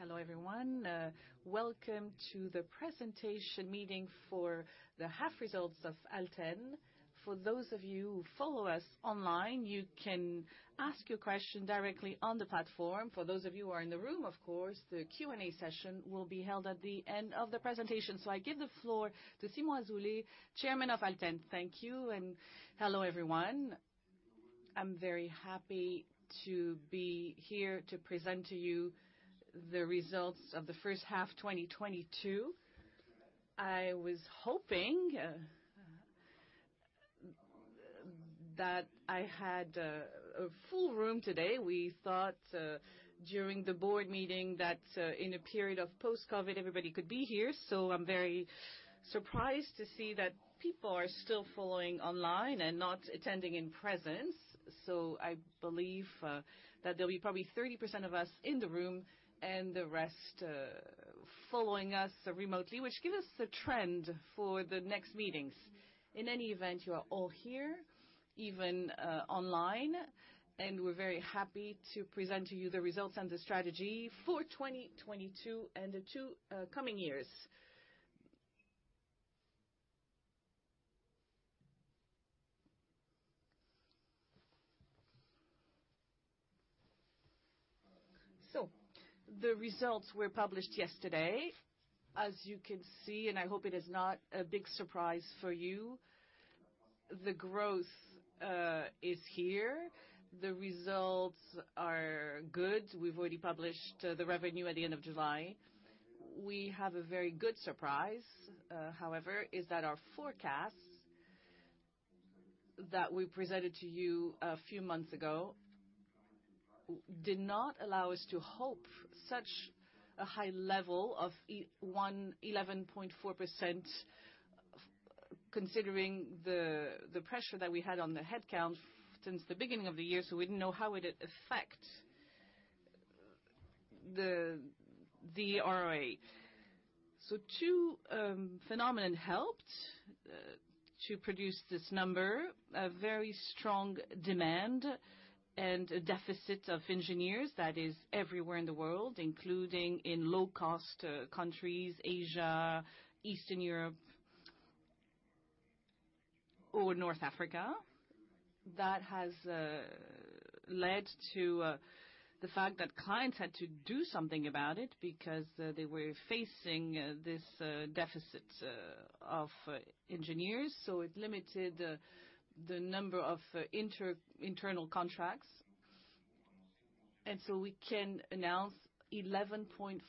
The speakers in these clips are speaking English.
Hello, everyone. Welcome to the presentation meeting for the half results of Alten. For those of you who follow us online, you can ask your question directly on the platform. For those of you who are in the room, of course, the Q&A session will be held at the end of the presentation. I give the floor to Simon Azoulay, Chairman of Alten. Thank you, and hello, everyone. I'm very happy to be here to present to you the results of the first half 2022. I was hoping that I had a full room today. We thought during the board meeting that in a period of post-COVID, everybody could be here. I'm very surprised to see that people are still following online and not attending in presence. I believe that there'll be probably 30% of us in the room and the rest following us remotely, which give us a trend for the next meetings. In any event, you are all here, even online, and we're very happy to present to you the results and the strategy for 2022 and the two coming years. The results were published yesterday. As you can see, and I hope it is not a big surprise for you, the growth is here. The results are good. We've already published the revenue at the end of July. We have a very good surprise. However, our forecast that we presented to you a few months ago did not allow us to hope such a high level of 11.4%, considering the pressure that we had on the headcount since the beginning of the year, so we didn't know how it would affect the OPA. Two phenomena helped to produce this number, a very strong demand and a deficit of engineers that is everywhere in the world, including in low-cost countries, Asia, Eastern Europe or North Africa. That has led to the fact that clients had to do something about it because they were facing this deficit of engineers. It limited the number of internal contracts. We can announce 11.4%.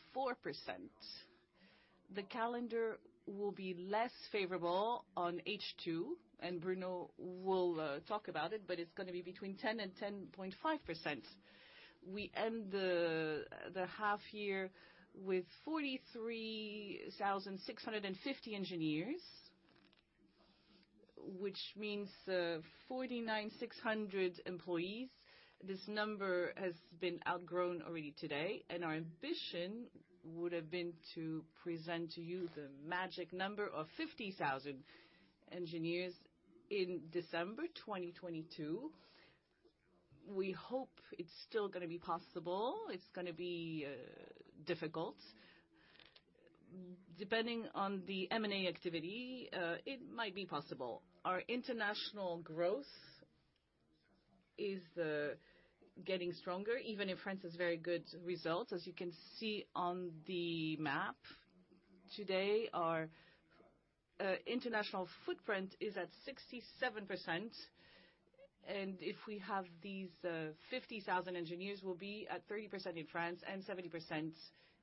The calendar will be less favorable on H2, and Bruno will talk about it, but it's gonna be between 10% and 10.5%. We end the half year with 43,650 engineers, which means 49,600 employees. This number has been outgrown already today, and our ambition would have been to present to you the magic number of 50,000 engineers in December 2022. We hope it's still gonna be possible. It's gonna be difficult. Depending on the M&A activity, it might be possible. Our international growth is getting stronger, even in France's very good results. As you can see on the map today, our international footprint is at 67%. If we have these 50,000 engineers, we'll be at 30% in France and 70%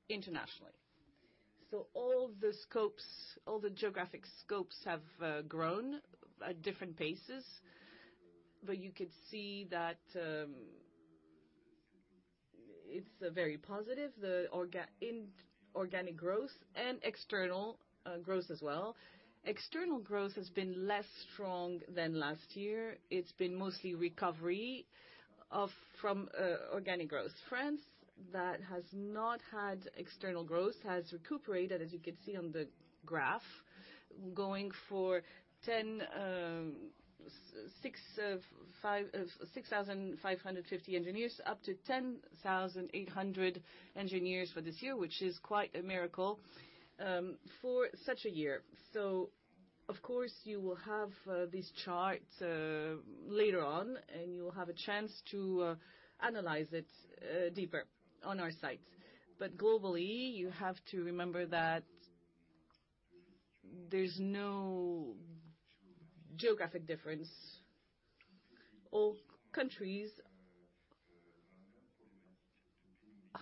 internationally. All the scopes, all the geographic scopes have grown at different paces. You could see that, it's very positive, the organic growth and external growth as well. External growth has been less strong than last year. It's been mostly recovery from organic growth. France, that has not had external growth, has recuperated, as you can see on the graph, going from 6,550 engineers up to 10,800 engineers for this year, which is quite a miracle for such a year. Of course, you will have this chart later on, and you'll have a chance to analyze it deeper on our site. Globally, you have to remember that there's no geographic difference. All countries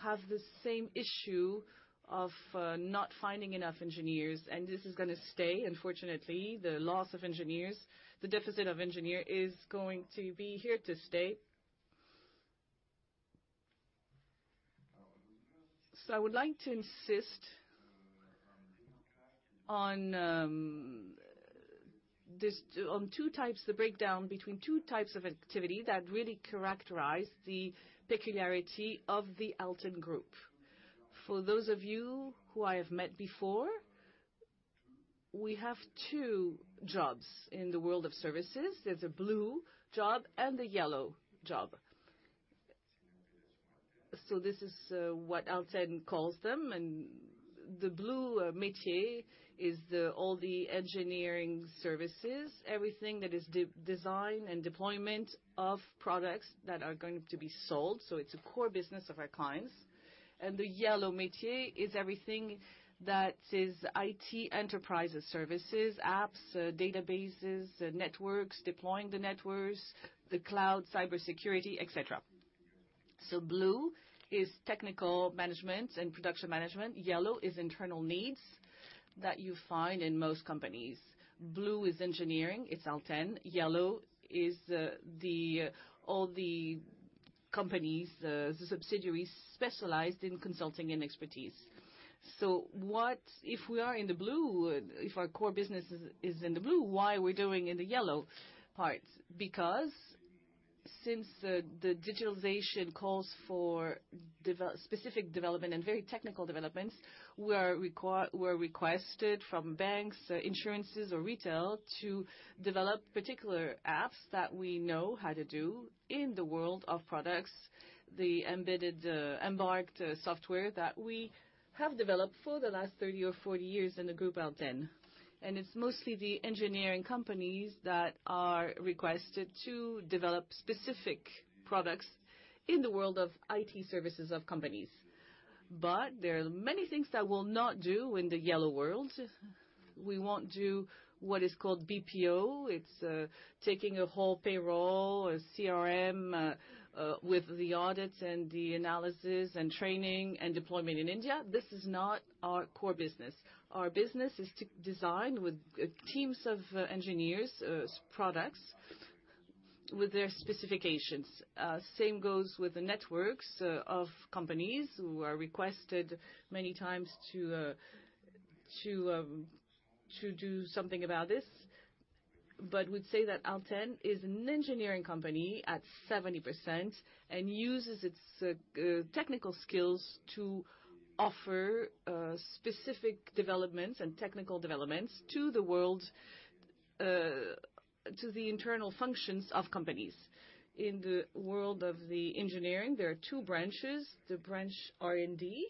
have the same issue of not finding enough engineers, and this is gonna stay, unfortunately. The loss of engineers, the deficit of engineer is going to be here to stay. I would like to insist on the breakdown between two types of activity that really characterize the peculiarity of the ALTEN Group. For those of you who I have met before. We have two jobs in the world of services. There's a blue job and a yellow job. This is what ALTEN calls them, and the blue métier is the all the engineering services, everything that is design and deployment of products that are going to be sold. It's a core business of our clients. The yellow métier is everything that is IT enterprise services, apps, databases, networks, deploying the networks, the cloud, cybersecurity, et cetera. Blue is technical management and production management. Yellow is internal needs that you find in most companies. Blue is engineering, it's Alten. Yellow is all the companies, the subsidiaries specialized in consulting and expertise. If we are in the blue, if our core business is in the blue, why are we doing in the yellow part? Because since the digitalization calls for specific development and very technical developments, we're requested from banks, insurance or retail to develop particular apps that we know how to do in the world of products, the embedded software that we have developed for the last 30 or 40 years in the Alten Group. It's mostly the engineering companies that are requested to develop specific products in the world of IT services of companies. There are many things that we'll not do in the yellow world. We won't do what is called BPO. It's taking a whole payroll, a CRM, with the audits and the analysis and training and deployment in India. This is not our core business. Our business is to design, with teams of engineers, products with their specifications. Same goes with the networks of companies who are requested many times to do something about this, but would say that Alten is an engineering company at 70% and uses its technical skills to offer specific developments and technical developments to the world, to the internal functions of companies. In the world of the engineering, there are two branches, the branch R&D,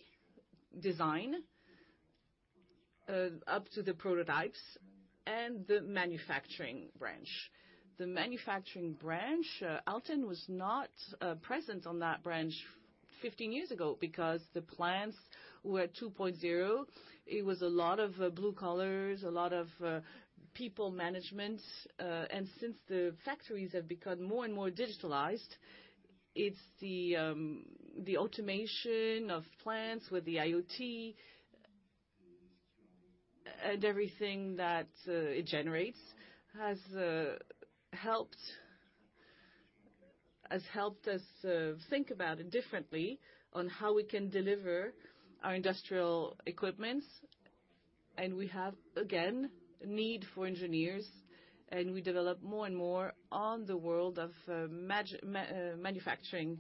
design up to the prototypes, and the manufacturing branch. The manufacturing branch, Alten was not present on that branch 15 years ago because the plants were 2.0. It was a lot of blue collars, a lot of people management. Since the factories have become more and more digitized, it's the automation of plants with the IoT and everything that it generates has helped us think about it differently on how we can deliver our industrial equipment. We have, again, need for engineers, and we develop more and more on the world of manufacturing.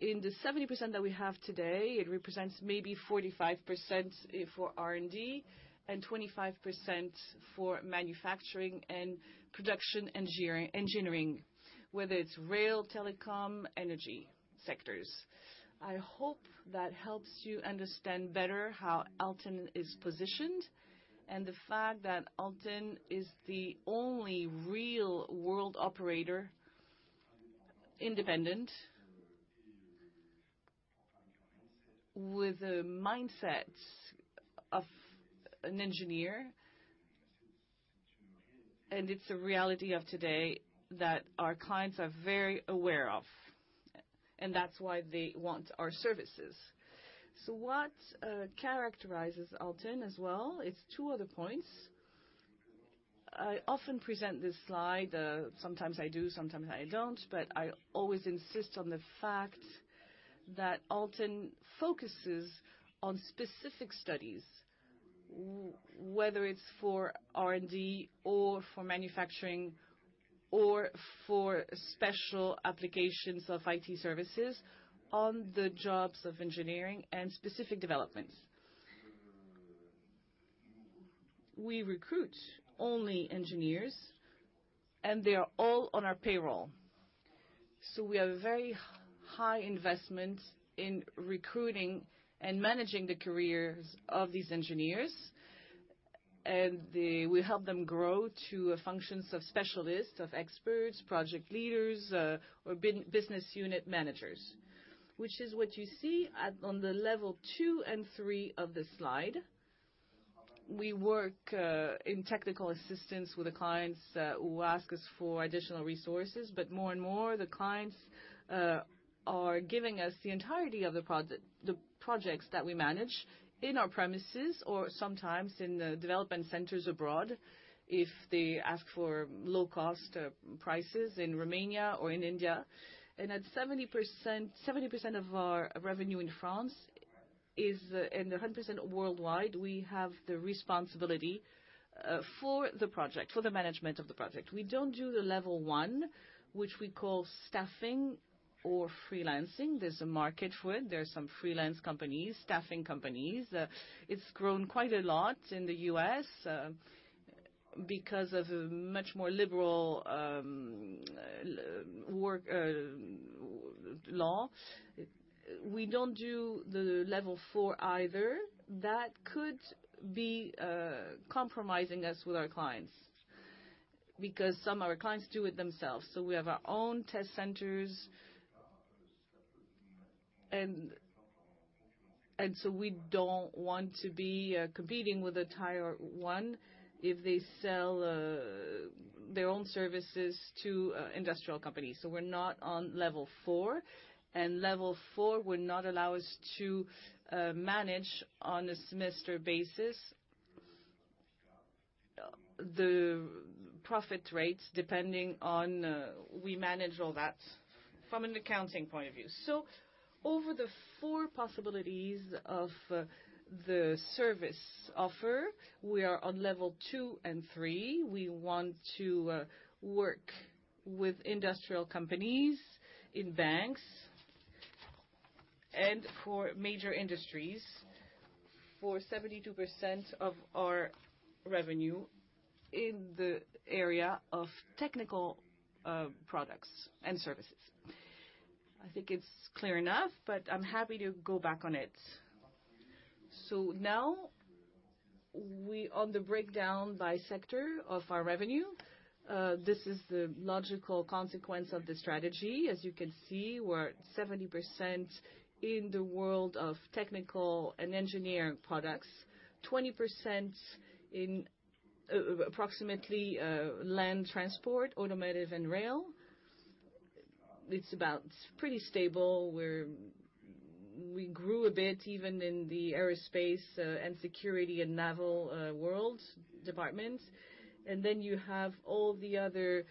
In the 70% that we have today, it represents maybe 45% for R&D and 25% for manufacturing and production engineering, whether it's rail, telecom, energy sectors. I hope that helps you understand better how Alten is positioned and the fact that Alten is the only real world operator, independent, with a mindset of an engineer. It's a reality of today that our clients are very aware of, and that's why they want our services. What characterizes Alten as well, it's two other points. I often present this slide, sometimes I do, sometimes I don't, but I always insist on the fact that Alten focuses on specific studies, whether it's for R&D or for manufacturing or for special applications of IT services on the jobs of engineering and specific developments. We recruit only engineers, and they are all on our payroll. We have a very high investment in recruiting and managing the careers of these engineers. We help them grow to functions of specialists, of experts, project leaders, or business unit managers, which is what you see on the level two and three of the slide. We work in technical assistance with the clients who ask us for additional resources, but more and more, the clients are giving us the entirety of the projects that we manage in our premises or sometimes in the development centers abroad if they ask for low cost prices in Romania or in India. At 70% of our revenue in France, and 100% worldwide, we have the responsibility for the project, for the management of the project. We don't do the level one, which we call staffing. Freelancing. There's a market for it. There's some freelance companies, staffing companies. It's grown quite a lot in the U.S., because of a much more liberal work law. We don't do the level four either. That could be compromising us with our clients because some of our clients do it themselves. We have our own test centers. We don't want to be competing with a tier one if they sell their own services to industrial companies. We're not on level four. Level four would not allow us to manage on a semester basis the profit rates depending on, we manage all that from an accounting point of view. Over the four possibilities of the service offer, we are on level two and three. We want to work with industrial companies in banks and for major industries for 72% of our revenue in the area of technical products and services. I think it's clear enough, but I'm happy to go back on it. Now on the breakdown by sector of our revenue, this is the logical consequence of the strategy. As you can see, we're at 70% in the world of technical and engineering products, 20% in, approximately, land transport, automotive, and rail. It's about pretty stable. We grew a bit even in the aerospace and security and naval world department. Then you have all the other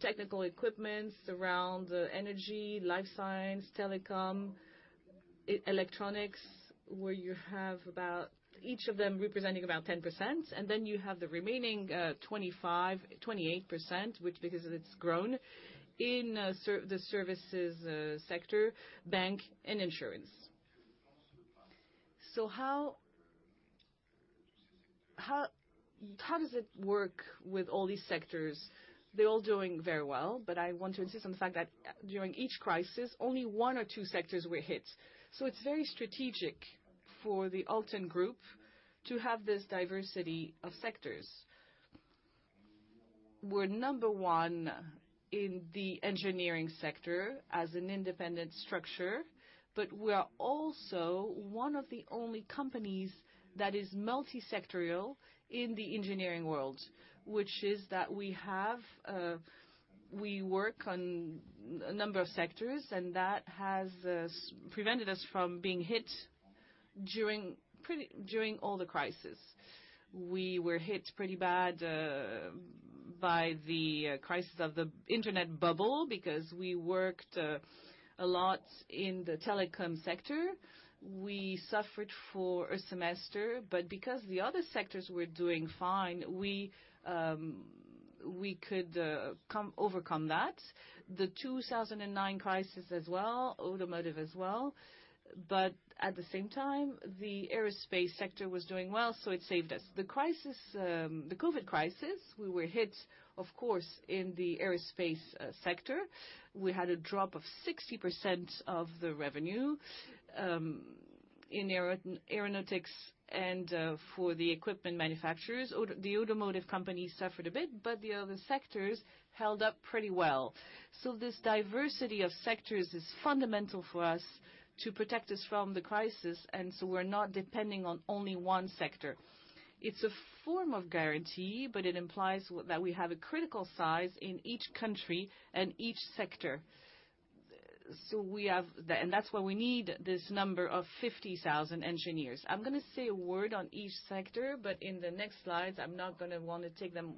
technical equipments around energy, life science, telecom, electronics, where you have about each of them representing about 10%. Then you have the remaining 25%. 28%, which, because it's grown in the services sector, banking and insurance. How does it work with all these sectors? They're all doing very well, but I want to insist on the fact that during each crisis, only one or two sectors were hit. It's very strategic for the Alten Group to have this diversity of sectors. We're number one in the engineering sector as an independent structure, but we are also one of the only companies that is multisectoral in the engineering world, which is that we work on a number of sectors, and that has prevented us from being hit during all the crises. We were hit pretty bad by the crisis of the internet bubble because we worked a lot in the telecom sector. We suffered for a semester, but because the other sectors were doing fine, we could overcome that. The 2009 crisis as well, automotive as well. At the same time, the aerospace sector was doing well, so it saved us. The crisis, the COVID crisis, we were hit, of course, in the aerospace sector. We had a drop of 60% of the revenue in aeronautics and for the equipment manufacturers. The automotive company suffered a bit, but the other sectors held up pretty well. This diversity of sectors is fundamental for us to protect us from the crisis, and so we're not depending on only one sector. It's a form of guarantee, but it implies that we have a critical size in each country and each sector. We have... That's why we need this number of 50,000 engineers. I'm gonna say a word on each sector, but in the next slides, I'm not gonna wanna take them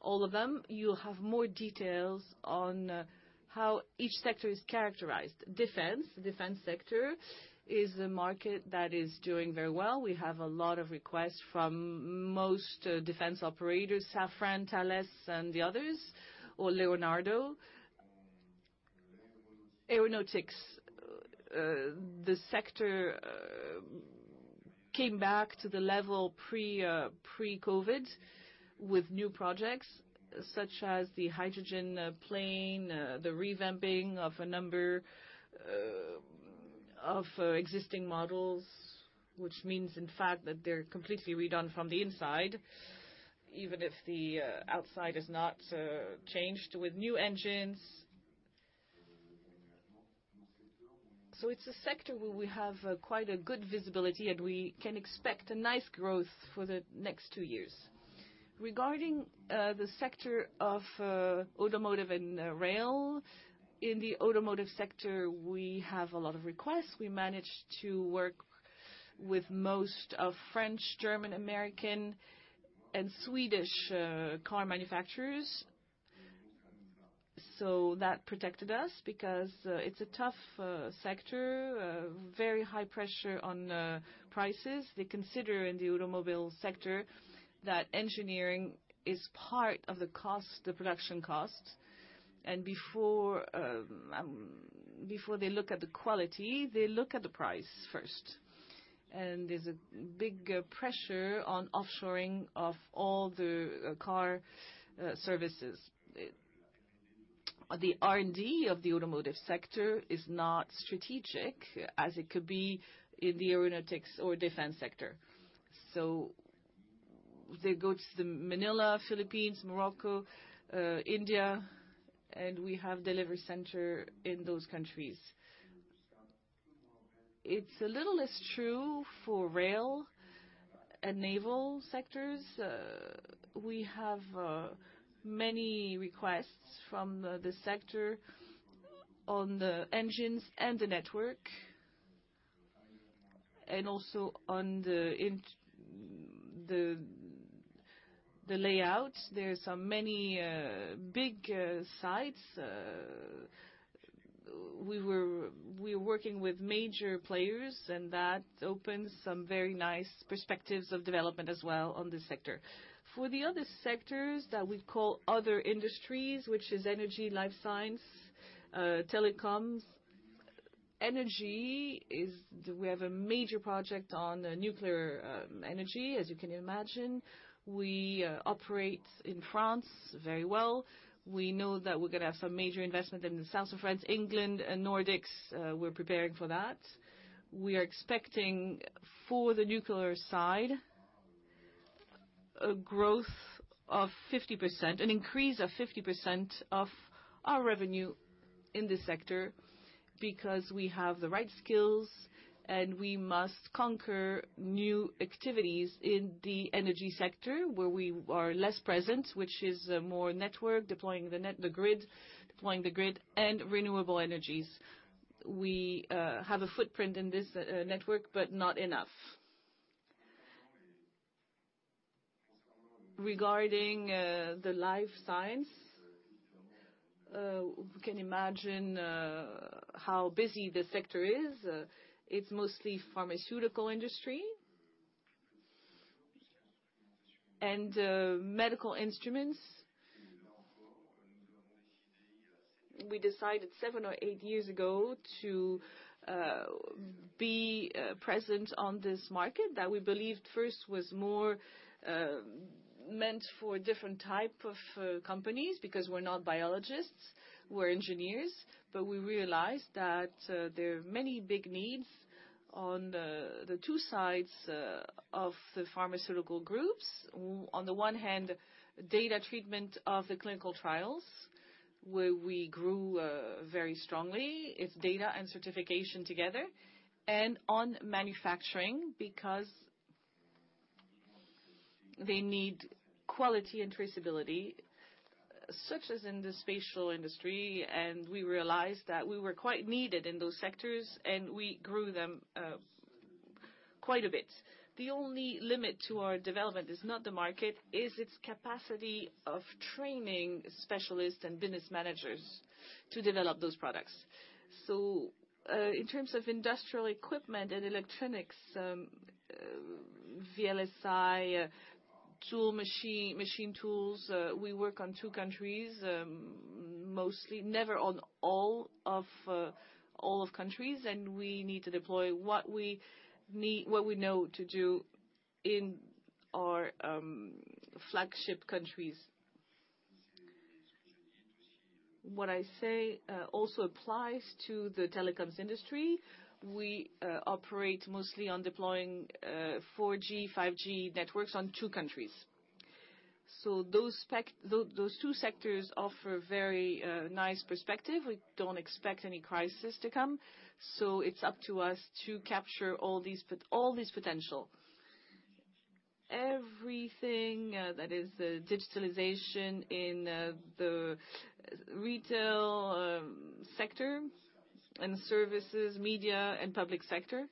all of them. You'll have more details on how each sector is characterized. Defense. Defense sector is a market that is doing very well. We have a lot of requests from most defense operators, Safran, Thales and the others, or Leonardo. Aeronautics. The sector came back to the level pre-COVID with new projects such as the hydrogen plane, the revamping of a number of existing models, which means, in fact, that they're completely redone from the inside, even if the outside is not changed with new engines. It's a sector where we have quite a good visibility, and we can expect a nice growth for the next two years. Regarding the sector of automotive and rail. In the automotive sector, we have a lot of requests. We managed to work with most of French, German, American, and Swedish car manufacturers. That protected us because it's a tough sector, very high pressure on prices. They consider in the automobile sector that engineering is part of the cost, the production cost. Before they look at the quality, they look at the price first. There's a big pressure on offshoring of all the car services. The R&D of the automotive sector is not strategic as it could be in the aeronautics or defense sector. They go to Manila, Philippines, Morocco, India, and we have delivery center in those countries. It's a little less true for rail and naval sectors. We have many requests from the sector on the engines and the network, and also on the layout. There's many big sites. We're working with major players, and that opens some very nice perspectives of development as well on this sector. For the other sectors that we call other industries, which is energy, life science, telecoms. Energy is. Do we have a major project on nuclear energy, as you can imagine? We operate in France very well. We know that we're gonna have some major investment in the South of France, England, and Nordics. We're preparing for that. We are expecting, for the nuclear side, a growth of 50%. An increase of 50% of our revenue in this sector because we have the right skills, and we must conquer new activities in the energy sector where we are less present, which is more network, deploying the grid and renewable energies. We have a footprint in this network, but not enough. Regarding the life science, we can imagine how busy the sector is. It's mostly pharmaceutical industry and medical instruments. We decided seven or eight years ago to be present on this market that we believed first was more meant for different type of companies, because we're not biologists, we're engineers. We realized that there are many big needs on the two sides of the pharmaceutical groups. On the one hand, data treatment of the clinical trials, where we grew very strongly. It's data and certification together. On manufacturing, because they need quality and traceability, such as in the space industry, and we realized that we were quite needed in those sectors, and we grew them quite a bit. The only limit to our development is not the market, is its capacity of training specialists and business managers to develop those products. In terms of industrial equipment and electronics, VLSI, tool machine tools, we work on two countries, mostly never on all of countries, and we need to deploy what we know to do in our flagship countries. What I say also applies to the telecoms industry. We operate mostly on deploying 4G, 5G networks on two countries. Those two sectors offer a very nice perspective. We don't expect any crisis to come. It's up to us to capture all this potential. Everything that is digitalization in the retail sector and services, media and public sector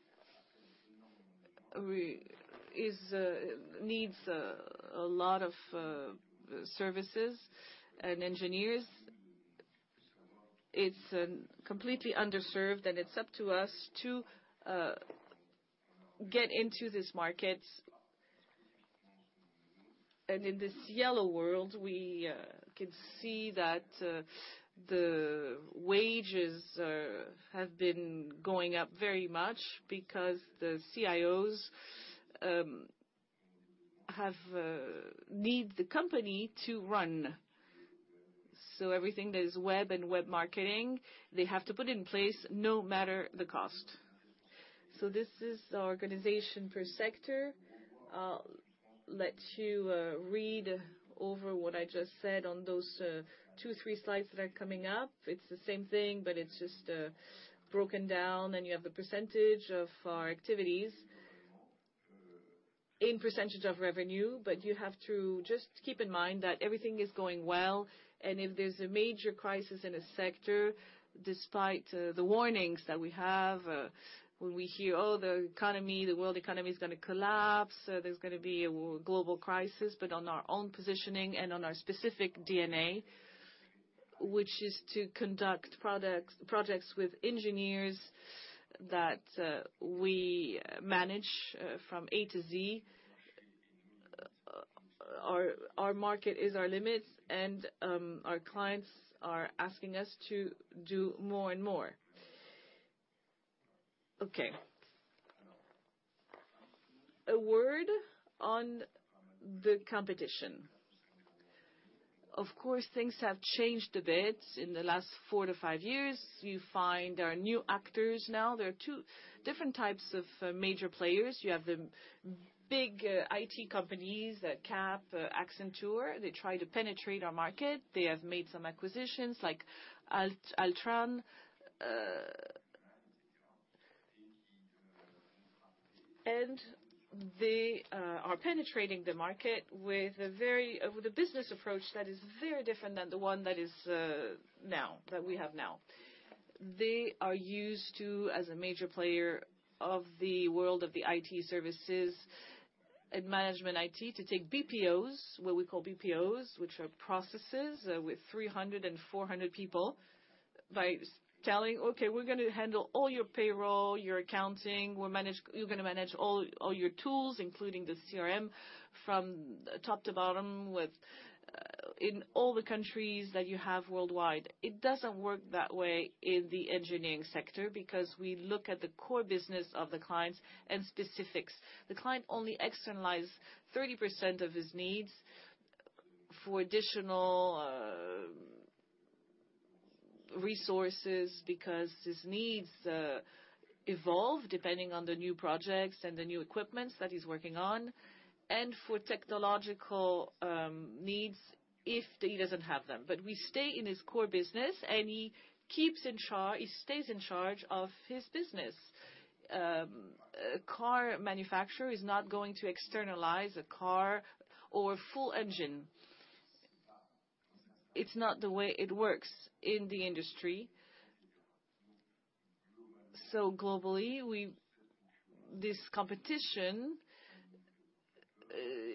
needs a lot of services and engineers. It's completely underserved, and it's up to us to get into this market. In this new world, we can see that the wages have been going up very much because the CIOs need the company to run. Everything that is web and web marketing, they have to put in place no matter the cost. This is the organization per sector. I'll let you read over what I just said on those 2, 3 slides that are coming up. It's the same thing, but it's just broken down, and you have the percentage of our activities in percentage of revenue. You have to just keep in mind that everything is going well, and if there's a major crisis in a sector, despite the warnings that we have, when we hear, "Oh, the economy, the world economy is gonna collapse, there's gonna be a global crisis," but on our own positioning and on our specific DNA, which is to conduct projects with engineers that we manage from A to Z. Our market is our limits and our clients are asking us to do more and more. Okay. A word on the competition. Of course, things have changed a bit in the last 4-5 years. You find there are new actors now. There are two different types of major players. You have the big IT companies, Capgemini, Accenture, they try to penetrate our market. They have made some acquisitions like Altran. They are penetrating the market with a business approach that is very different than the one that we have now. They are used to, as a major player of the world of the IT services and management IT, to take BPOs, what we call BPOs, which are processes with 300-400 people, by telling, "Okay, we're gonna handle all your payroll, your accounting. You're gonna manage all your tools, including the CRM, from top to bottom with, in all the countries that you have worldwide." It doesn't work that way in the engineering sector because we look at the core business of the clients and specifics. The client only externalize 30% of his needs for additional, resources because his needs, evolve depending on the new projects and the new equipments that he's working on, and for technological, needs if he doesn't have them. But we stay in his core business and he stays in charge of his business. A car manufacturer is not going to externalize a car or full engine. It's not the way it works in the industry. Globally, this competition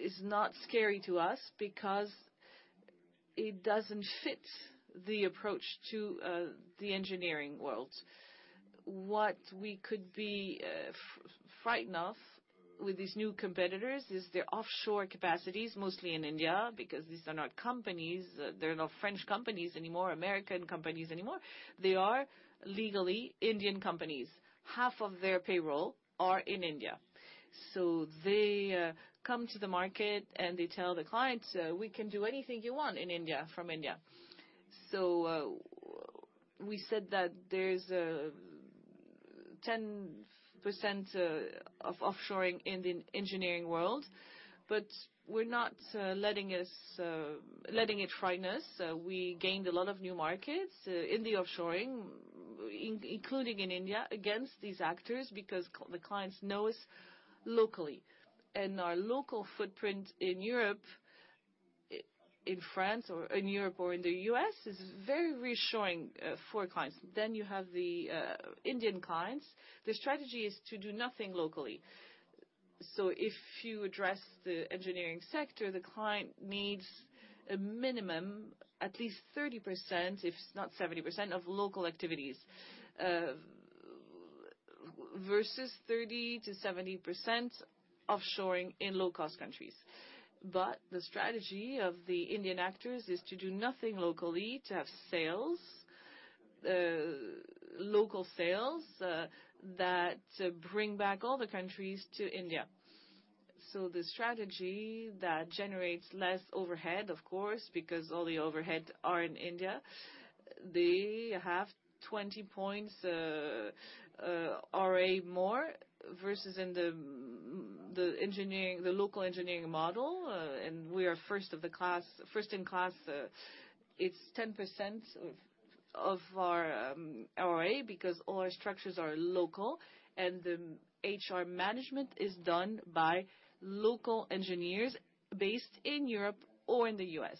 is not scary to us because it doesn't fit the approach to the engineering world. What we could be frightened of with these new competitors is their offshore capacities, mostly in India, because these are not companies. They're not French companies anymore, American companies anymore. They are legally Indian companies. Half of their payroll are in India. They come to the market and they tell the clients, "We can do anything you want in India, from India." We said that there's 10% of offshoring in the engineering world, but we're not letting it frighten us. We gained a lot of new markets in the offshoring, including in India, against these actors because the clients know us locally. Our local footprint in Europe, in France or in Europe or in the U.S., is very reassuring for clients. You have the Indian clients. Their strategy is to do nothing locally. If you address the engineering sector, the client needs a minimum at least 30%, if not 70%, of local activities versus 30%-70% offshoring in low-cost countries. The strategy of the Indian actors is to do nothing locally, to have sales, local sales, that bring back all the countries to India. The strategy that generates less overhead, of course, because all the overhead are in India, they have 20 points more versus the engineering, the local engineering model, and we are first in class. It's 10% of our RA because all our structures are local and the HR management is done by local engineers based in Europe or in the U.S.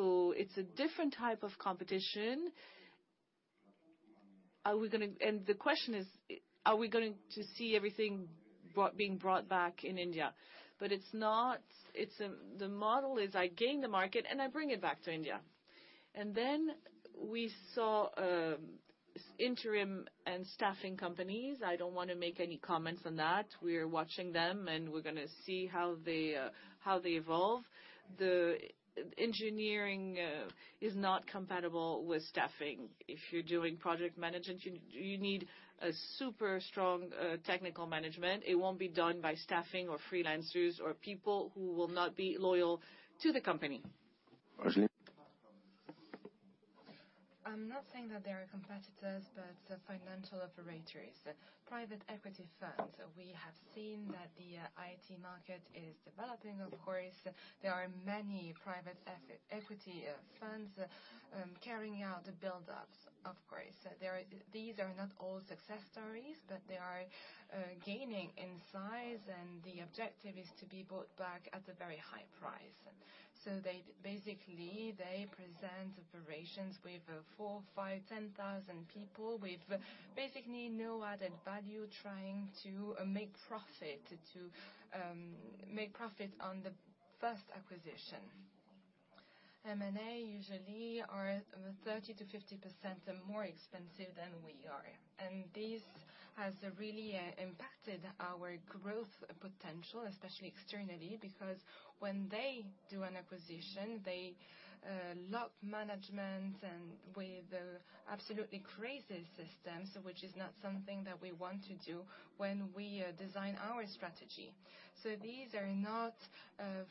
It's a different type of competition. The question is, are we going to see everything being brought back in India? It's not. The model is I gain the market and I bring it back to India. Then we saw interim and staffing companies. I don't wanna make any comments on that. We are watching them, and we're gonna see how they evolve. The engineering is not compatible with staffing. If you're doing project management, you need a super strong technical management. It won't be done by staffing or freelancers or people who will not be loyal to the company. I'm not saying that they are competitors, but financial operators, private equity funds. We have seen that the IT market is developing, of course. There are many private equity funds carrying out the buildups, of course. These are not all success stories, but they are gaining in size, and the objective is to be bought back at a very high price. They basically present operations with 4, 5, 10,000 people with basically no added value trying to make profit, to make profit on the first acquisition. M&A usually are 30%-50% more expensive than we are. This has really impacted our growth potential, especially externally, because when they do an acquisition, they lock management and with absolutely crazy systems, which is not something that we want to do when we design our strategy. These are not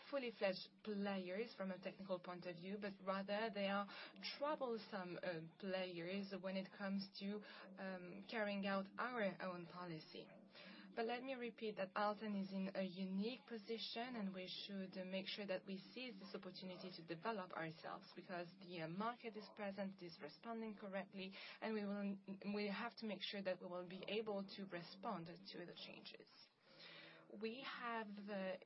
fully-fledged players from a technical point of view, but rather they are troublesome players when it comes to carrying out our own policy. Let me repeat that Alten is in a unique position, and we should make sure that we seize this opportunity to develop ourselves because the market is present, is responding correctly, and we have to make sure that we will be able to respond to the changes. We have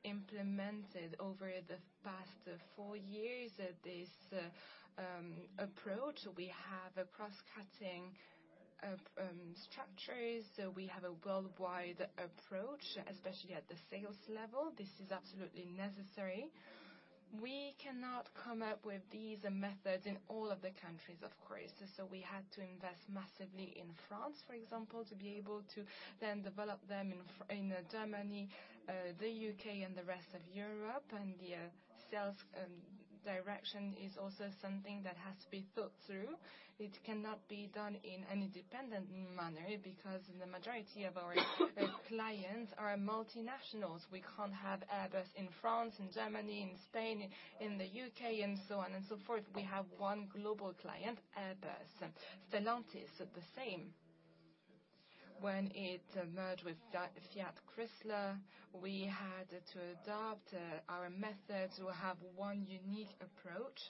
implemented over the past 4 years this approach. We have a crosscutting structures. We have a worldwide approach, especially at the sales level. This is absolutely necessary. We cannot come up with these methods in all of the countries, of course. We had to invest massively in France, for example, to be able to then develop them in Germany, the U.K., and the rest of Europe. The sales direction is also something that has to be thought through. It cannot be done in an independent manner because the majority of our clients are multinationals. We can't have Airbus in France, in Germany, in Spain, in the U.K., and so on and so forth. We have one global client, Airbus. Stellantis, the same. When it merged with Fiat Chrysler, we had to adopt our methods. We have one unique approach.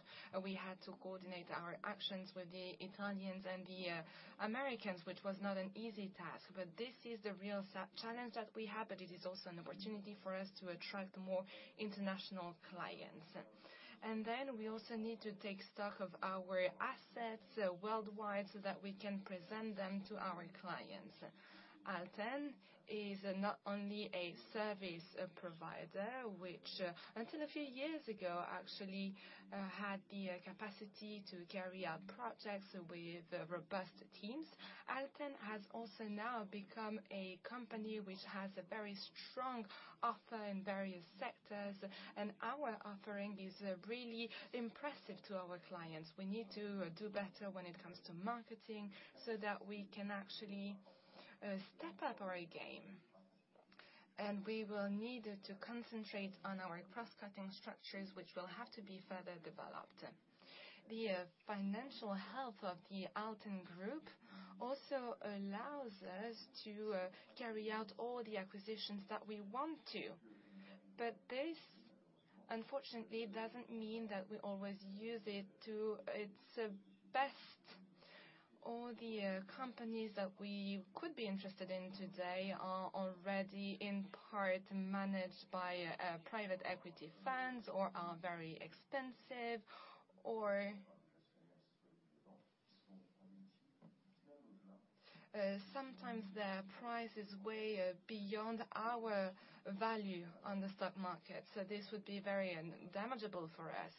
We had to coordinate our actions with the Italians and the Americans, which was not an easy task. This is the real challenge that we have, but it is also an opportunity for us to attract more international clients. We also need to take stock of our assets worldwide so that we can present them to our clients. Alten is not only a service provider, which until a few years ago, actually, had the capacity to carry out projects with robust teams. Alten has also now become a company which has a very strong offer in various sectors, and our offering is really impressive to our clients. We need to do better when it comes to marketing so that we can actually step up our A game. We will need to concentrate on our crosscutting structures, which will have to be further developed. The financial health of the ALTEN Group also allows us to carry out all the acquisitions that we want to. This, unfortunately, doesn't mean that we always use it to its best. All the companies that we could be interested in today are already in part managed by private equity funds or are very expensive, or sometimes their price is way beyond our value on the stock market, so this would be very damageable for us.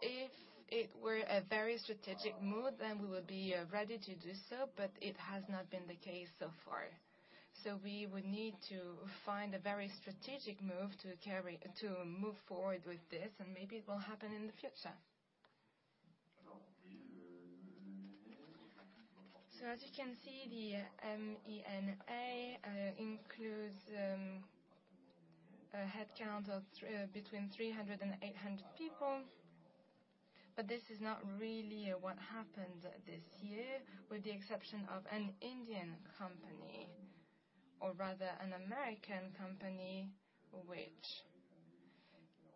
If it were a very strategic move, then we would be ready to do so, but it has not been the case so far. We would need to find a very strategic move to move forward with this, and maybe it will happen in the future. As you can see, the M&A includes a headcount of between 300 and 800 people. This is not really what happened this year, with the exception of an Indian company, or rather an American company which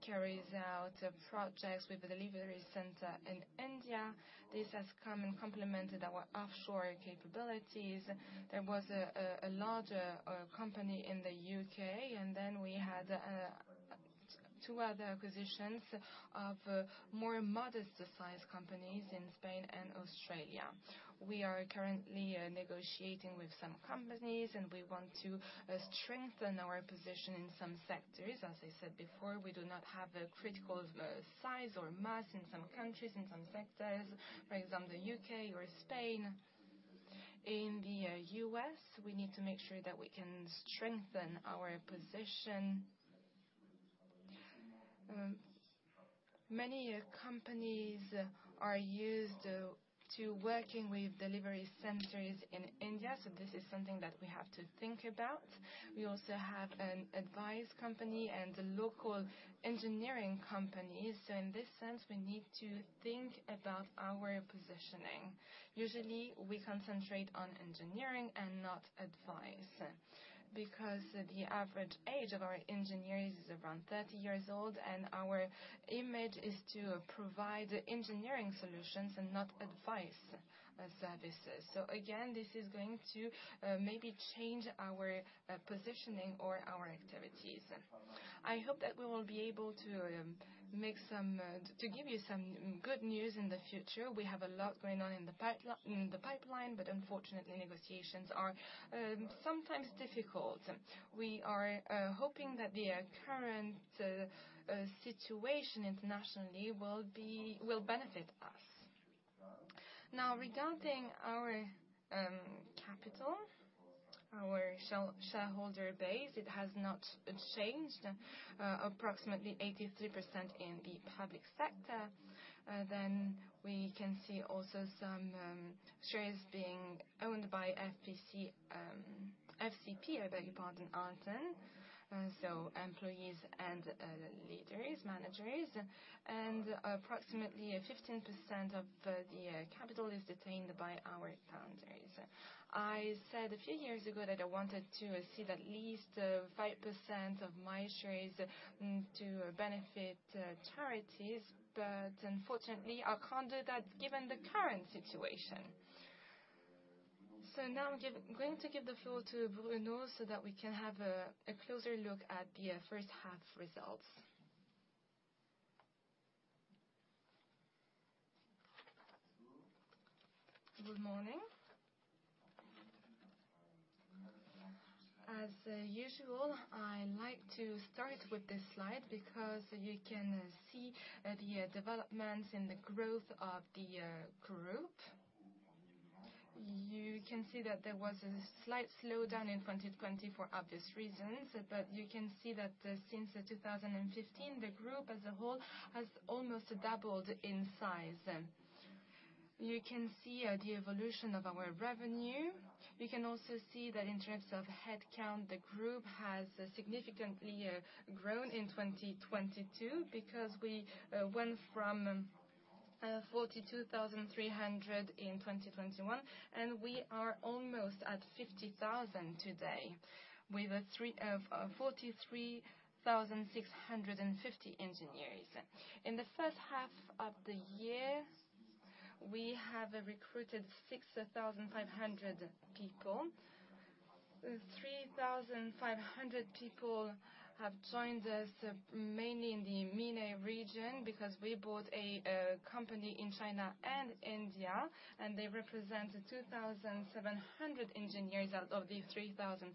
carries out projects with a delivery center in India. This has come and complemented our offshore capabilities. There was a larger company in the U.K., and then we had two other acquisitions of more modest-sized companies in Spain and Australia. We are currently negotiating with some companies, and we want to strengthen our position in some sectors. As I said before, we do not have the critical size or mass in some countries, in some sectors, for example, U.K. or Spain. In the U.S., we need to make sure that we can strengthen our position. Many companies are used to working with delivery centers in India, so this is something that we have to think about. We also have an advice company and local engineering companies. In this sense, we need to think about our positioning. Usually, we concentrate on engineering and not advice because the average age of our engineers is around 30 years old, and our image is to provide engineering solutions and not advice services. Again, this is going to maybe change our positioning or our activities. I hope that we will be able to give you some good news in the future. We have a lot going on in the pipeline, but unfortunately, negotiations are sometimes difficult. We are hoping that the current situation internationally will benefit us. Now regarding our capital, our shareholder base, it has not changed. Approximately 83% in the public sector. Then we can see also some shares being owned by FCPE Alten. So employees and leaders, managers, and approximately 15% of the capital is detained by our founders. I said a few years ago that I wanted to cede at least 5% of my shares to benefit charities, but unfortunately, I can't do that given the current situation. Now I'm going to give the floor to Bruno so that we can have a closer look at the first half results. Good morning. As usual, I like to start with this slide because you can see the developments and the growth of the group. You can see that there was a slight slowdown in 2020 for obvious reasons, but you can see that since 2015, the group as a whole has almost doubled in size. You can see the evolution of our revenue. You can also see that in terms of headcount, the group has significantly grown in 2022 because we went from 42,300 in 2021, and we are almost at 50,000 today with 43,650 engineers. In the first half of the year, we have recruited 6,500 people. 3,500 people have joined us, mainly in the MENA region, because we bought a company in China and India, and they represent 2,700 engineers out of the 3,500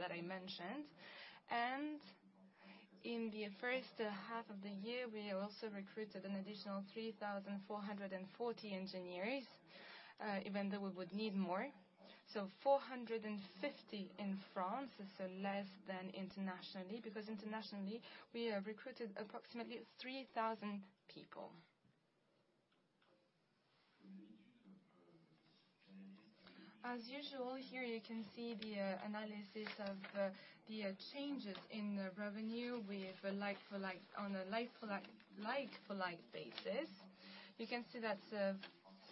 that I mentioned. In the first half of the year, we also recruited an additional 3,400 engineers, even though we would need more. 450 in France, less than internationally, because internationally we have recruited approximately 3,000 people. As usual, here you can see the analysis of the changes in revenue on a like-for-like basis. You can see that,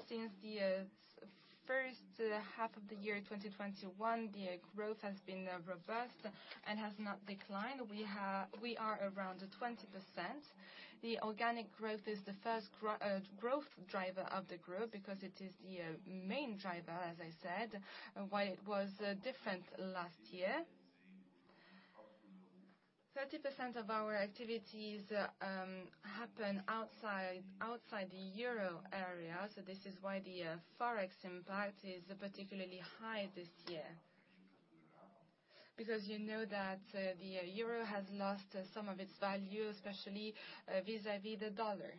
since the first half of the year in 2021, the growth has been robust and has not declined. We are around 20%. The organic growth is the first growth driver of the group because it is the main driver, as I said, while it was different last year. 30% of our activities happen outside the euro area, so this is why the Forex impact is particularly high this year. You know that the euro has lost some of its value, especially vis-à-vis the dollar.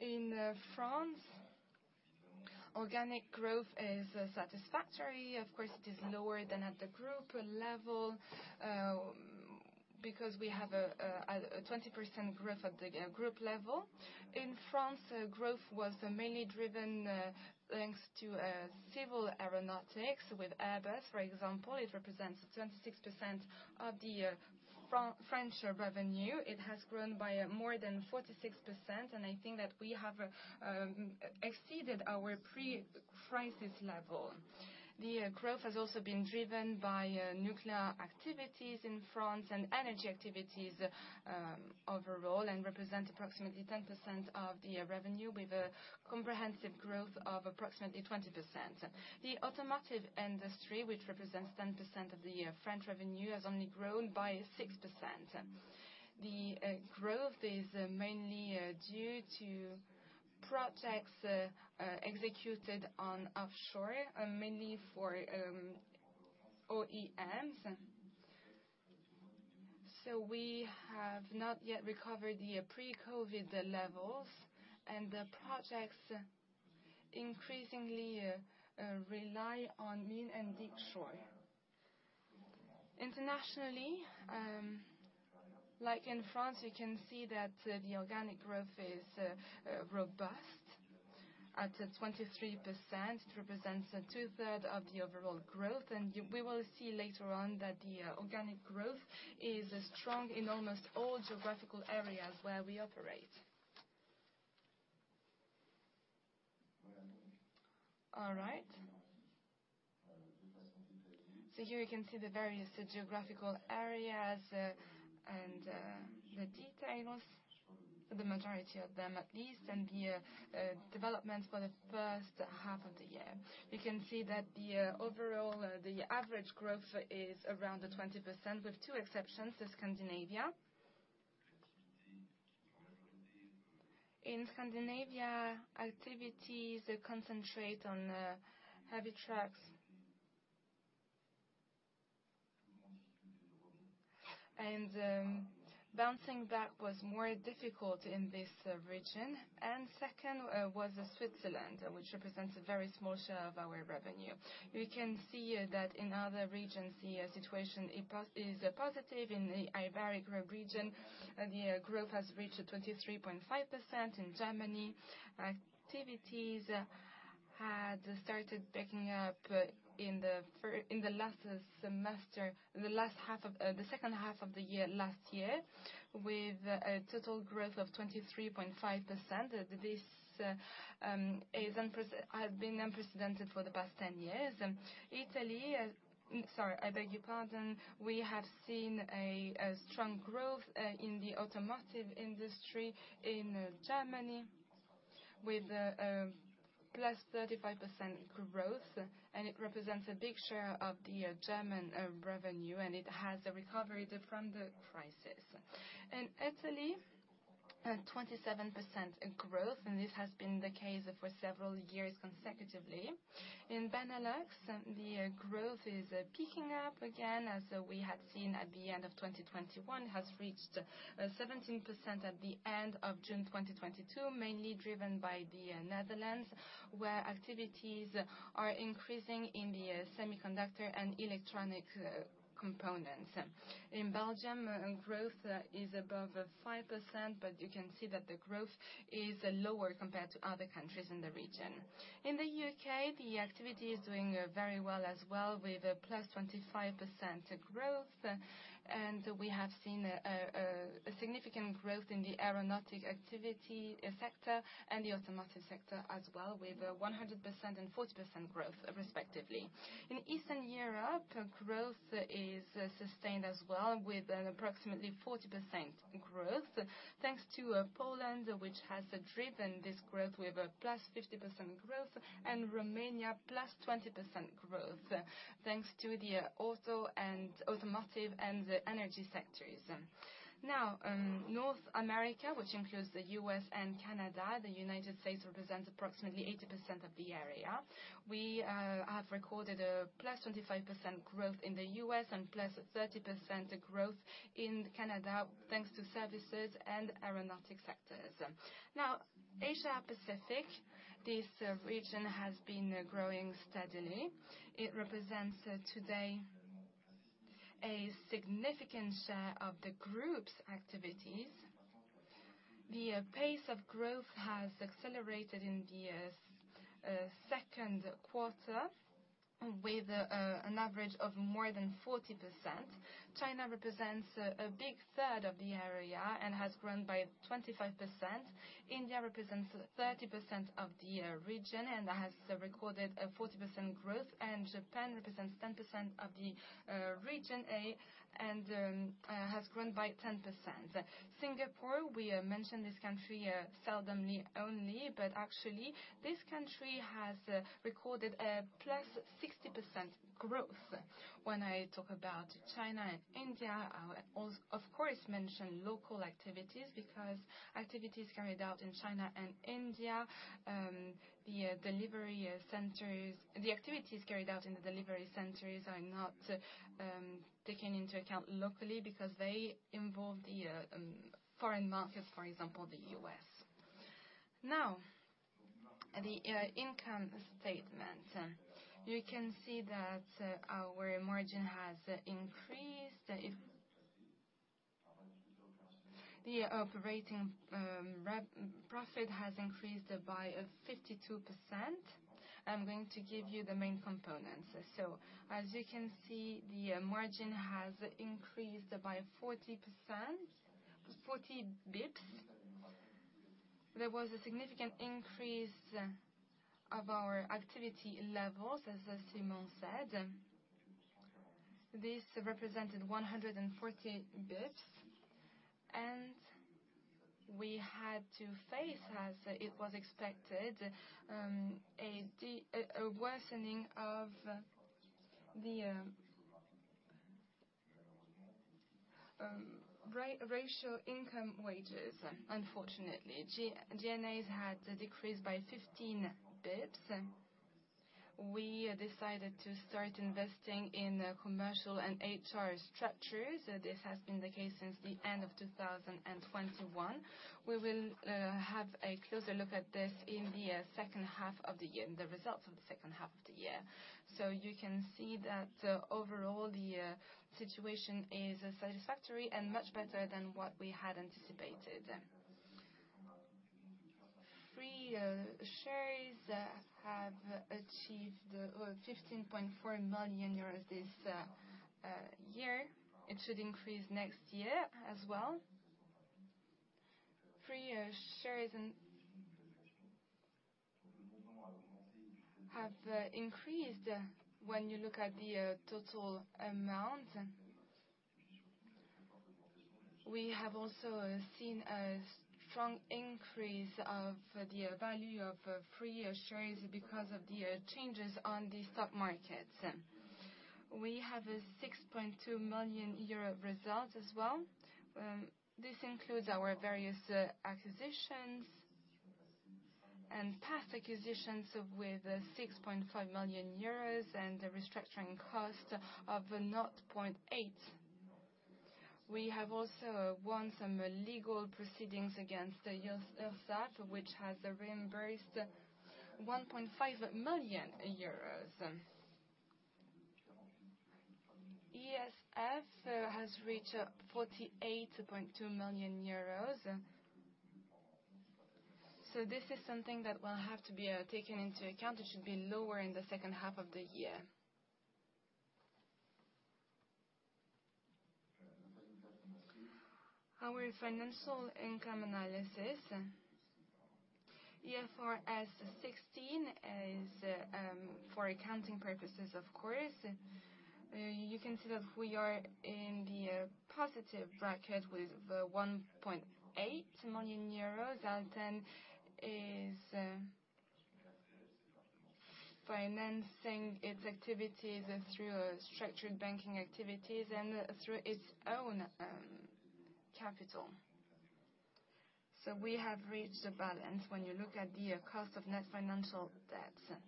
In France, organic growth is satisfactory. Of course, it is lower than at the group level because we have a 20% growth at the group level. In France, growth was mainly driven thanks to civil aeronautics with Airbus, for example. It represents 26% of the French revenue. It has grown by more than 46%, and I think that we have exceeded our pre-crisis level. The growth has also been driven by nuclear activities in France and energy activities overall, and represent approximately 10% of the revenue, with a comprehensive growth of approximately 20%. The automotive industry, which represents 10% of the French revenue, has only grown by 6%. The growth is mainly due to projects executed offshore, mainly for OEMs. We have not yet recovered the pre-COVID levels, and the projects increasingly rely on near and offshore. Internationally, like in France, you can see that the organic growth is robust. At 23%, it represents two-thirds of the overall growth, and we will see later on that the organic growth is strong in almost all geographical areas where we operate. All right. Here you can see the various geographical areas, and the details, the majority of them at least, and the development for the first half of the year. You can see that the overall average growth is around 20%, with two exceptions, Scandinavia. In Scandinavia, activities concentrate on heavy trucks. Bouncing back was more difficult in this region. Second was Switzerland, which represents a very small share of our revenue. We can see that in other regions, the situation is positive. In the Iberian region, the growth has reached 23.5%. In Germany, activities had started picking up in the last semester, in the last half of the second half of the year last year, with a total growth of 23.5%. This has been unprecedented for the past 10 years. Italy, sorry. I beg your pardon. We have seen strong growth in the automotive industry in Germany with+35% growth, and it represents a big share of the German revenue, and it has recovered from the crisis. In Italy, 27% growth, and this has been the case for several years consecutively. In Benelux, the growth is picking up again, as we had seen at the end of 2021, has reached 17% at the end of June 2022, mainly driven by the Netherlands, where activities are increasing in the semiconductor and electronic components. In Belgium, growth is above 5%, but you can see that the growth is lower compared to other countries in the region. In the U.K., the activity is doing very well as well, with +25% growth. We have seen a significant growth in the aeronautics sector and the automotive sector as well, with 100% and 40% growth respectively. In Eastern Europe, growth is sustained as well, with an approximately 40% growth, thanks to Poland, which has driven this growth with a plus 50% growth, and Romania plus 20% growth, thanks to the automotive and the energy sectors. North America, which includes the U.S. and Canada, the United States represents approximately 80% of the area. We have recorded a+25% growth in the U.S. and +30% growth in Canada, thanks to services and aeronautics sectors. Asia Pacific, this region has been growing steadily. It represents today a significant share of the group's activities. The pace of growth has accelerated in the second quarter with an average of more than 40%. China represents a big third of the area and has grown by 25%. India represents 30% of the region and has recorded a 40% growth, and Japan represents 10% of the region and has grown by 10%. Singapore, we mention this country seldom only, but actually this country has recorded a +60% growth. When I talk about China and India, I of course mention local activities because activities carried out in China and India, the delivery centers. The activities carried out in the delivery centers are not taken into account locally because they involve the foreign markets, for example, the U.S. Now, the income statement. You can see that our margin has increased. The operating profit has increased by 52%. I'm going to give you the main components. As you can see, the margin has increased by 40%, 40 bps. There was a significant increase of our activity levels, as Simon said. This represented 140 bps, and we had to face, as it was expected, a worsening of the ratio income wages, unfortunately. G&As had decreased by 15 bps. We decided to start investing in the commercial and HR structures. This has been the case since the end of 2021. We will have a closer look at this in the second half of the year, the results of the second half of the year. You can see that, overall the situation is satisfactory and much better than what we had anticipated. Free shares have achieved 15.4 million euros this year. It should increase next year as well. Free shares have increased when you look at the total amount. We have also seen a strong increase of the value of free shares because of the changes on the stock markets. We have a 6.2 million euro result as well. This includes our various acquisitions. Past acquisitions with 6.5 million euros and the restructuring cost of 0.8. We have also won some legal proceedings against the URSSAF, which has reimbursed 1.5 million euros. ESF has reached 48.2 million euros. This is something that will have to be taken into account. It should be lower in the second half of the year. Our financial income analysis. IFRS 16 is for accounting purposes, of course. You can see that we are in the positive bracket with 1.8 million euros. Alten is financing its activities through structured banking activities and through its own capital. We have reached a balance when you look at the cost of net financial debt.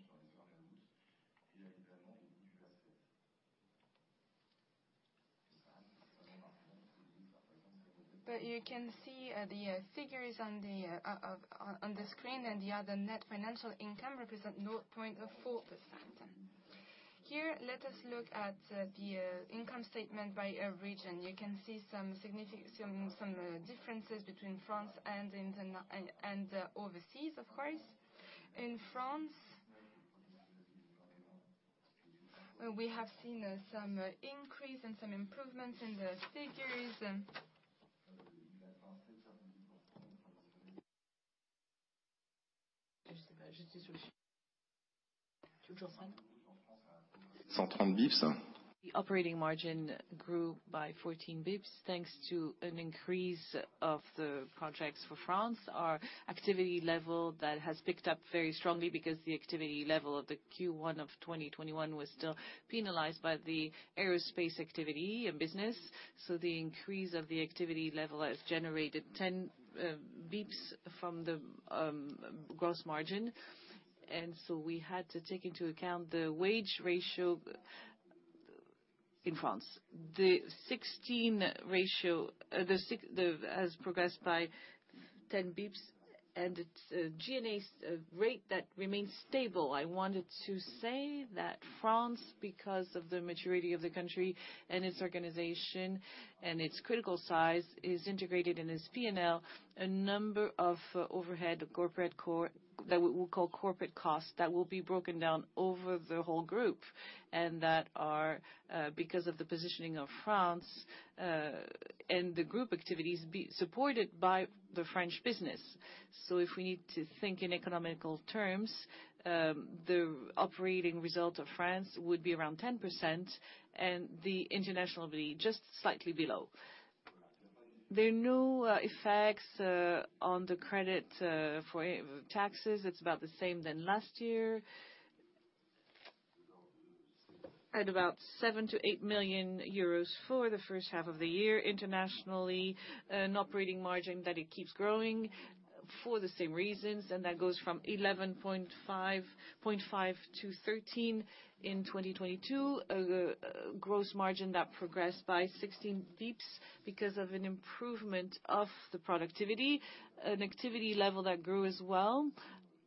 But you can see the figures on the screen and the other net financial income represent 0.4%. Here, let us look at the income statement by a region. You can see some differences between France and international and overseas, of course. In France, we have seen some increase and some improvements in the figures. The operating margin grew by 14 basis points, thanks to an increase of the projects for France. Our activity level that has picked up very strongly because the activity level of the Q1 of 2021 was still penalized by the aerospace activity and business. The increase of the activity level has generated 10 basis points from the gross margin. We had to take into account the wage ratio in France. The wage ratio has progressed by 10 basis points, and its G&A rate that remains stable. I wanted to say that France, because of the maturity of the country and its organization and its critical size, is integrated in its P&L, a number of overhead corporate that we'll call corporate costs that will be broken down over the whole group, and that are, because of the positioning of France, and the group activities supported by the French business. If we need to think in economical terms, the operating result of France would be around 10%, and the international will be just slightly below. There are no effects on the credit for taxes. It's about the same than last year. At about 7 million to 8 million euros for the first half of the year. Internationally, an operating margin that keeps growing for the same reasons, and that goes from 11.5% - 13% in 2022. Gross margin that progressed by 16 bps because of an improvement of the productivity. An activity level that grew as well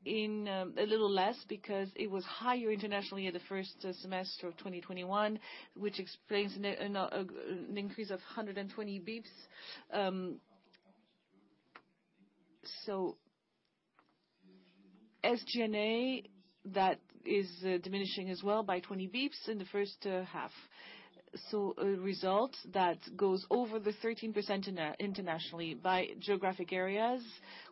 in a little less because it was higher internationally at the first semester of 2021, which explains an increase of 120 bps. G&A that is diminishing as well by 20 bps in the first half. A result that goes over the 13% internationally by geographic areas.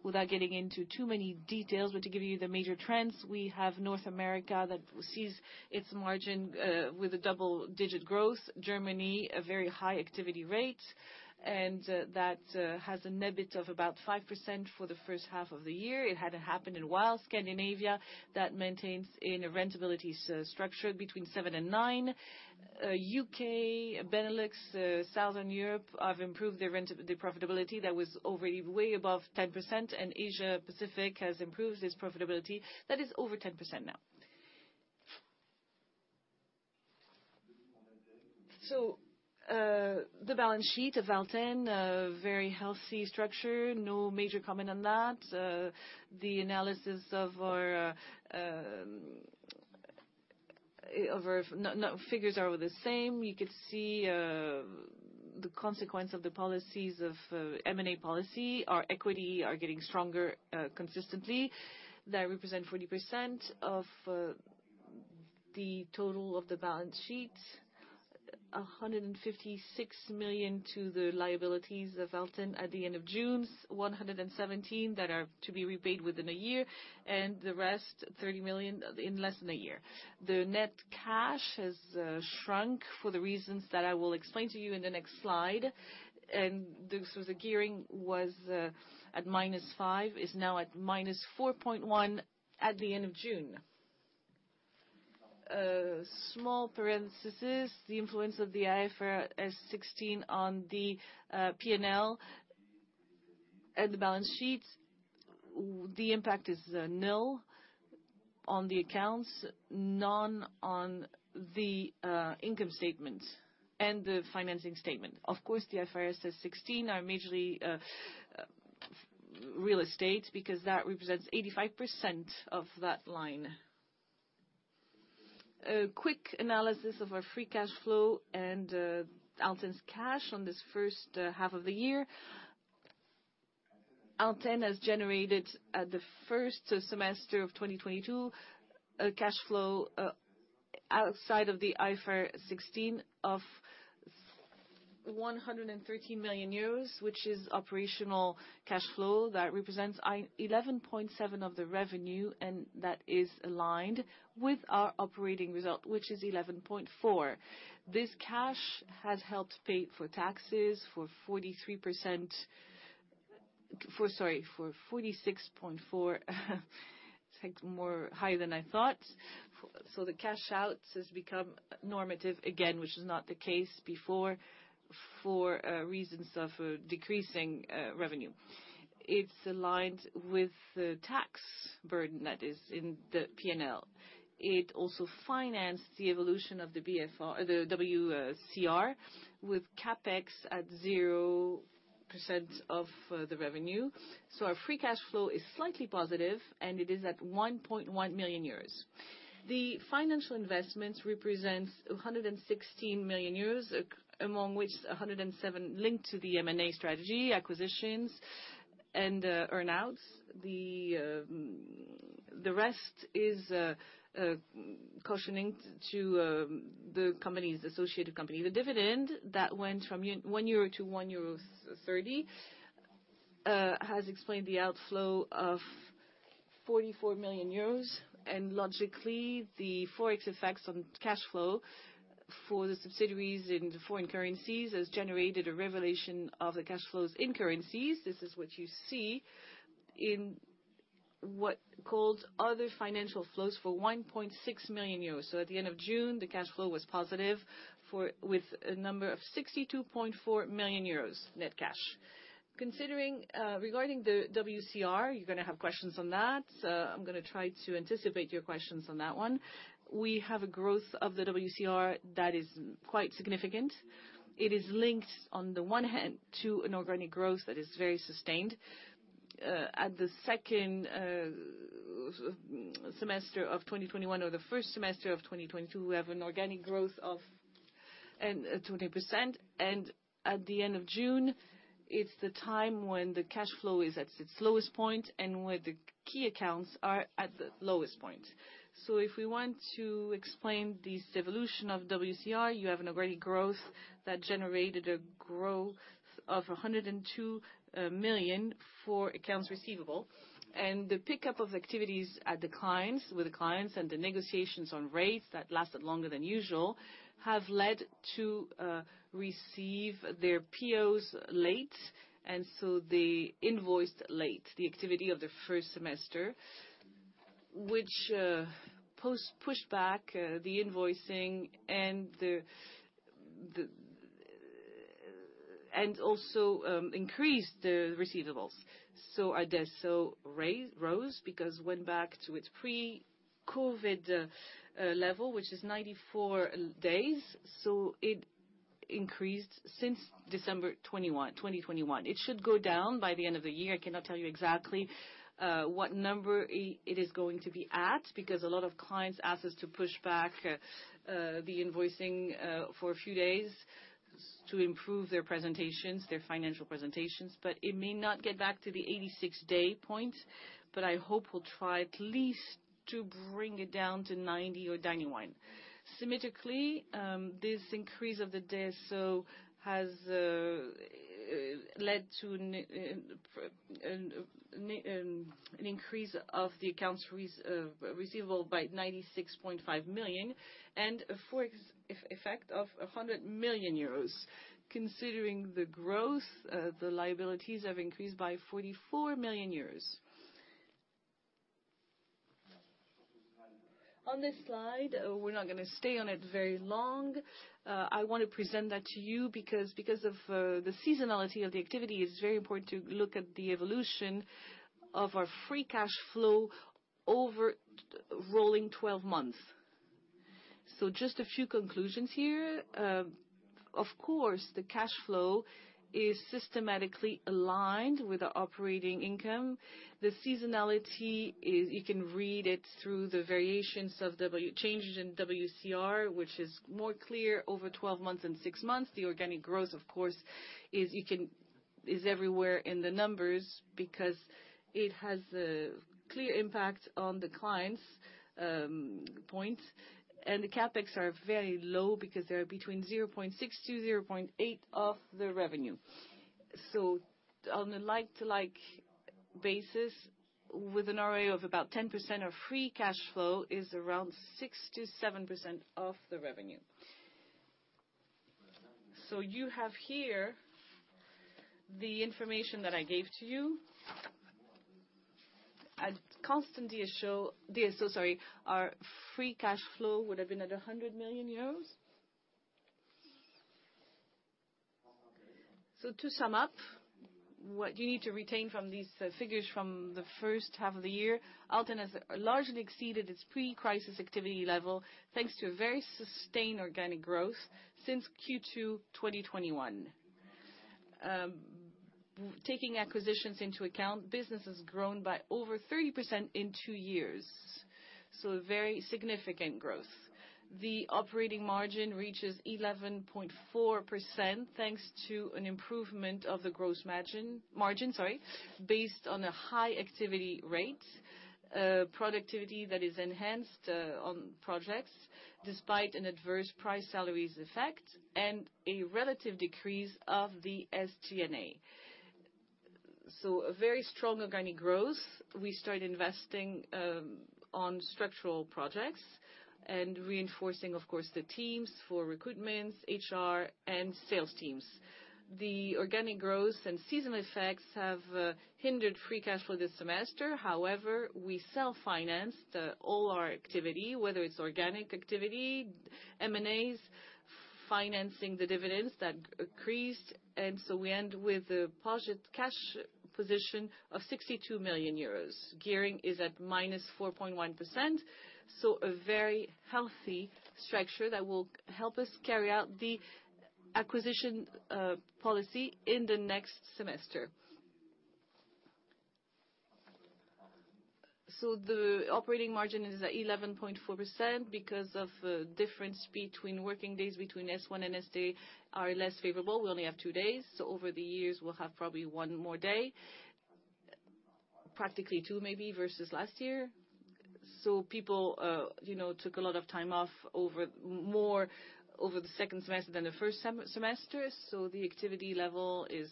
Without getting into too many details, but to give you the major trends, we have North America that sees its margin with a double-digit growth. Germany, a very high activity rate, and that has a net debt of about 5% for the first half of the year. It hadn't happened in a while. Scandinavia, that maintains in a profitability structure between 7%-9%. U.K., Benelux, Southern Europe have improved their profitability that was way above 10%, and Asia Pacific has improved its profitability. That is over 10% now. The balance sheet of Alten, a very healthy structure. No major comment on that. The analysis of our figures are the same. You could see the consequence of the policies of M&A policy. Our equity are getting stronger consistently. That represent 40% of the total of the balance sheet. 156 million to the liabilities of Alten at the end of June. 117 million that are to be repaid within a year, and the rest, 30 million, in less than a year. The net cash has shrunk for the reasons that I will explain to you in the next slide. The gearing was at -5%, is now at -4.1% at the end of June. Small parenthesis, the influence of the IFRS 16 on the P&L and the balance sheets, the impact is nil on the accounts, none on the income statement and the financing statement. Of course, the IFRS 16 are majorly real estate because that represents 85% of that line. A quick analysis of our free cash flow and Alten's cash on this first half of the year. Alten has generated in the first half of 2022 a cash flow outside of the IFRS 16 of 113 million euros, which is operational cash flow that represents 11.7% of the revenue, and that is aligned with our operating result, which is 11.4%. This cash has helped pay for taxes at 46.4%. It's like more higher than I thought. So the cash flows has become normal again, which is not the case before for reasons of decreasing revenue. It's aligned with the tax burden that is in the P&L. It also financed the evolution of the BFR – the WCR with CapEx at 0% of the revenue. Our free cash flow is slightly positive, and it is at 1.1 million euros. The financial investments represent 116 million euros, among which 107 linked to the M&A strategy, acquisitions and earn-outs. The rest is corresponding to the company's associated companies. The dividend that went from 1 euro - 1.30 euro has explained the outflow of 44 million euros. Logically, the ForEx effects on cash flow for the subsidiaries in the foreign currencies has generated a variation of the cash flows in currencies. This is what you see in what we call other financial flows for 1.6 million euros. At the end of June, the cash flow was positive, with a number of 62.4 million euros net cash. Considering regarding the WCR, you're gonna have questions on that. I'm gonna try to anticipate your questions on that one. We have a growth of the WCR that is quite significant. It is linked on the one hand to an organic growth that is very sustained. At the second semester of 2021 or the first semester of 2022, we have an organic growth of 20%. At the end of June, it's the time when the cash flow is at its lowest point and where the key accounts are at the lowest point. If we want to explain this evolution of WCR, you have an organic growth that generated a growth of 102 million for accounts receivable. The pickup of activities at the clients, with the clients and the negotiations on rates that lasted longer than usual, have led to receive their POs late, and so they invoiced late the activity of the first semester, which pushed back the invoicing and increased the receivables. Our DSO rose because it went back to its pre-COVID level, which is 94 days, so it increased since December 2021. It should go down by the end of the year. I cannot tell you exactly what number it is going to be at, because a lot of clients ask us to push back the invoicing for a few days to improve their presentations, their financial presentations. It may not get back to the 86-day point, but I hope we'll try at least to bring it down to 90 or 91. Specifically, this increase of the DSO has led to an increase of the accounts receivable by 96.5 million and a ForEx effect of 100 million euros. Considering the growth, the liabilities have increased by 44 million euros. On this slide, we're not gonna stay on it very long. I wanna present that to you because of the seasonality of the activity, it's very important to look at the evolution of our free cash flow over rolling twelve months. Just a few conclusions here. Of course, the cash flow is systematically aligned with our operating income. The seasonality is, you can read it through the variations of changes in WCR, which is more clear over 12 months and 6 months. The organic growth, of course, is everywhere in the numbers because it has a clear impact on the clients points. The CapEx are very low because they are between 0.6-0.8 of the revenue. On a like-to-like basis, with an ROA of about 10%, our free cash flow is around 6%-7% of the revenue. You have here the information that I gave to you. At constant DSO, our free cash flow would have been at 100 million euros. To sum up, what you need to retain from these figures from the first half of the year, Alten has largely exceeded its pre-crisis activity level thanks to a very sustained organic growth since Q2 2021. Taking acquisitions into account, business has grown by over 30% in two years, so a very significant growth. The operating margin reaches 11.4%, thanks to an improvement of the gross margin based on a high activity rate, productivity that is enhanced on projects despite an adverse price salaries effect and a relative decrease of the SG&A. A very strong organic growth. We start investing on structural projects and reinforcing, of course, the teams for recruitments, HR and sales teams. The organic growth and seasonal effects have hindered free cash flow this semester. However, we self-financed all our activity, whether it's organic activity, M&As, financing the dividends that increased, and so we end with a positive cash position of 62 million euros. Gearing is at -4.1%, so a very healthy structure that will help us carry out the acquisition policy in the next semester. The operating margin is at 11.4% because of difference between working days between S1 and S2 are less favorable. We only have two days, so over the years we'll have probably one more day, practically two maybe, versus last year. People, you know, took a lot of time off over more over the second semester than the first semester. The activity level is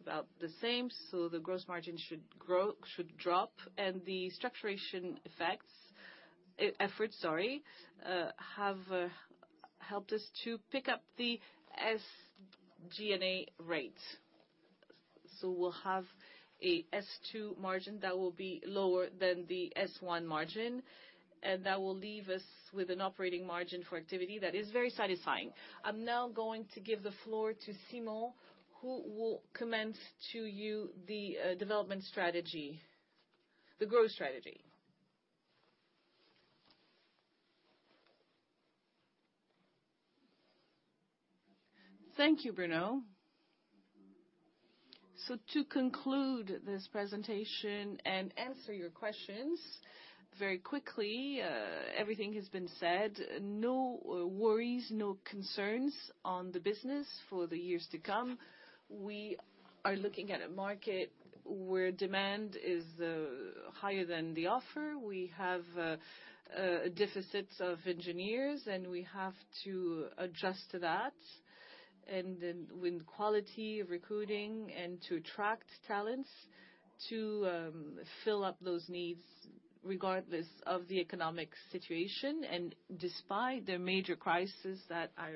about the same, so the gross margin should grow, should drop, and the structuration effects, effort, sorry, have helped us to pick up the SG&A rate. We'll have a S2 margin that will be lower than the S1 margin, and that will leave us with an operating margin for activity that is very satisfying. I'm now going to give the floor to Simon, who will comment to you the development strategy, the growth strategy. Thank you, Bruno. To conclude this presentation and answer your questions very quickly, everything has been said. No worries, no concerns on the business for the years to come. We are looking at a market where demand is higher than the offer. We have a deficit of engineers, and we have to adjust to that, and then with quality recruiting and to attract talents to fill up those needs regardless of the economic situation. Despite the major crisis that I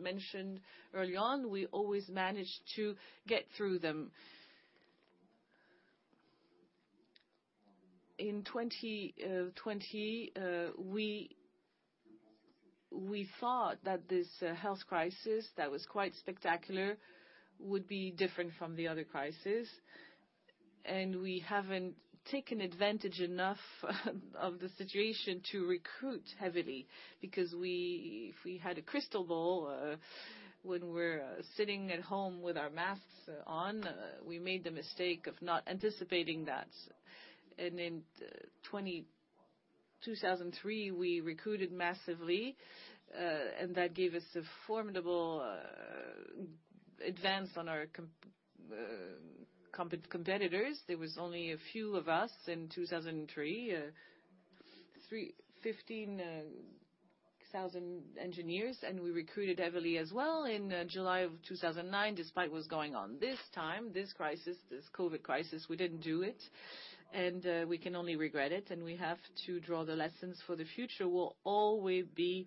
mentioned early on, we always managed to get through them. In 2020, we thought that this health crisis that was quite spectacular would be different from the other crisis, and we haven't taken advantage enough of the situation to recruit heavily. If we had a crystal ball, when we're sitting at home with our masks on, we made the mistake of not anticipating that. In 2002, 2003, we recruited massively, and that gave us a formidable advance on our competitors. There was only a few of us in 2003, 15,000 engineers, and we recruited heavily as well in July of 2009, despite what's going on. This time, this crisis, this COVID crisis, we didn't do it, and we can only regret it, and we have to draw the lessons for the future. We'll always be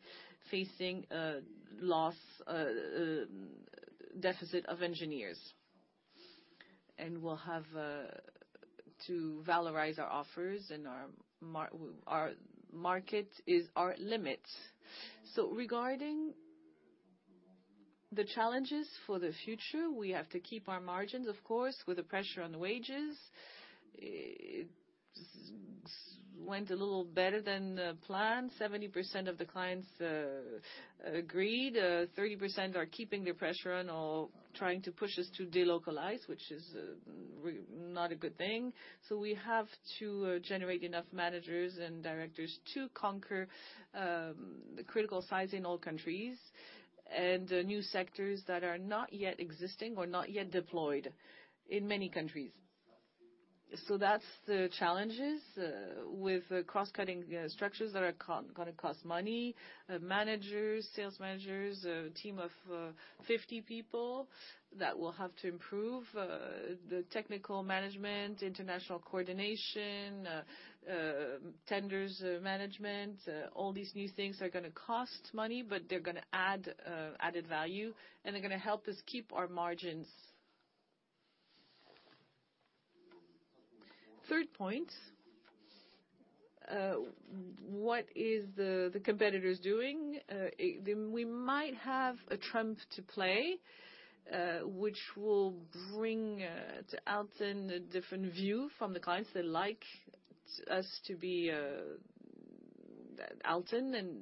facing a loss, deficit of engineers, and we'll have to valorize our offers and our market is our limit. Regarding the challenges for the future, we have to keep our margins, of course, with the pressure on wages. It went a little better than planned. 70% of the clients agreed. 30% are keeping the pressure on or trying to push us to delocalize, which is not a good thing. We have to generate enough managers and directors to conquer the critical size in all countries and new sectors that are not yet existing or not yet deployed in many countries. That's the challenges with cross-cutting structures that are gonna cost money. Managers, sales managers, a team of 50 people that will have to improve the technical management, international coordination, tenders management. All these new things are gonna cost money, but they're gonna add added value, and they're gonna help us keep our margins. Third point, what are the competitors doing? Then we might have a trump to play, which will bring to Alten a different view from the clients that like us to be Alten, and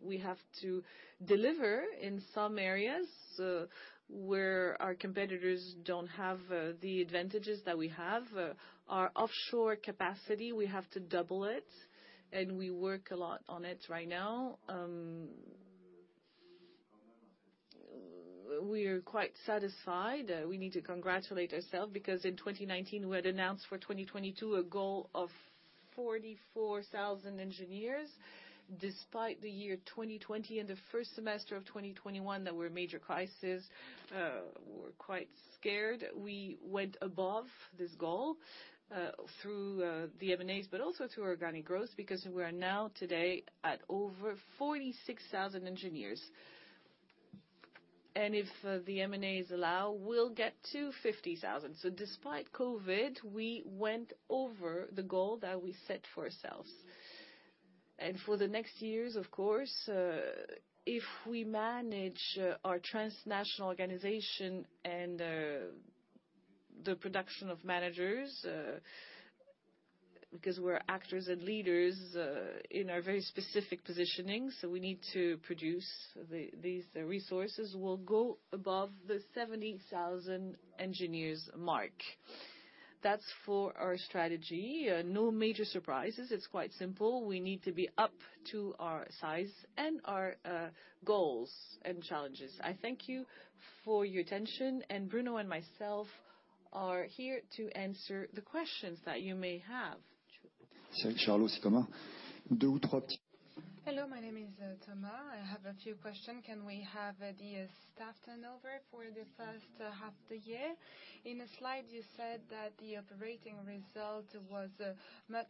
we have to deliver in some areas where our competitors don't have the advantages that we have. Our offshore capacity, we have to double it, and we work a lot on it right now. We're quite satisfied. We need to congratulate ourselves because in 2019 we had announced for 2022 a goal of 44,000 engineers. Despite the year 2020 and the first semester of 2021, there were major crises. We're quite scared. We went above this goal through the M&As, but also through organic growth because we are now today at over 46,000 engineers and if the M&As allow, we'll get to 50,000. Despite COVID, we went over the goal that we set for ourselves. For the next years, of course, if we manage our transnational organization and the production of managers because we're actors and leaders in our very specific positioning, so we need to produce these resources, we'll go above the 70,000 engineers mark. That's for our strategy. No major surprises. It's quite simple. We need to be up to our size and our goals and challenges. I thank you for your attention, and Bruno and myself are here to answer the questions that you may have. Hello, my name is Thomas. I have a few question. Can we have the staff turnover for the first half the year? In a slide, you said that the operating result was much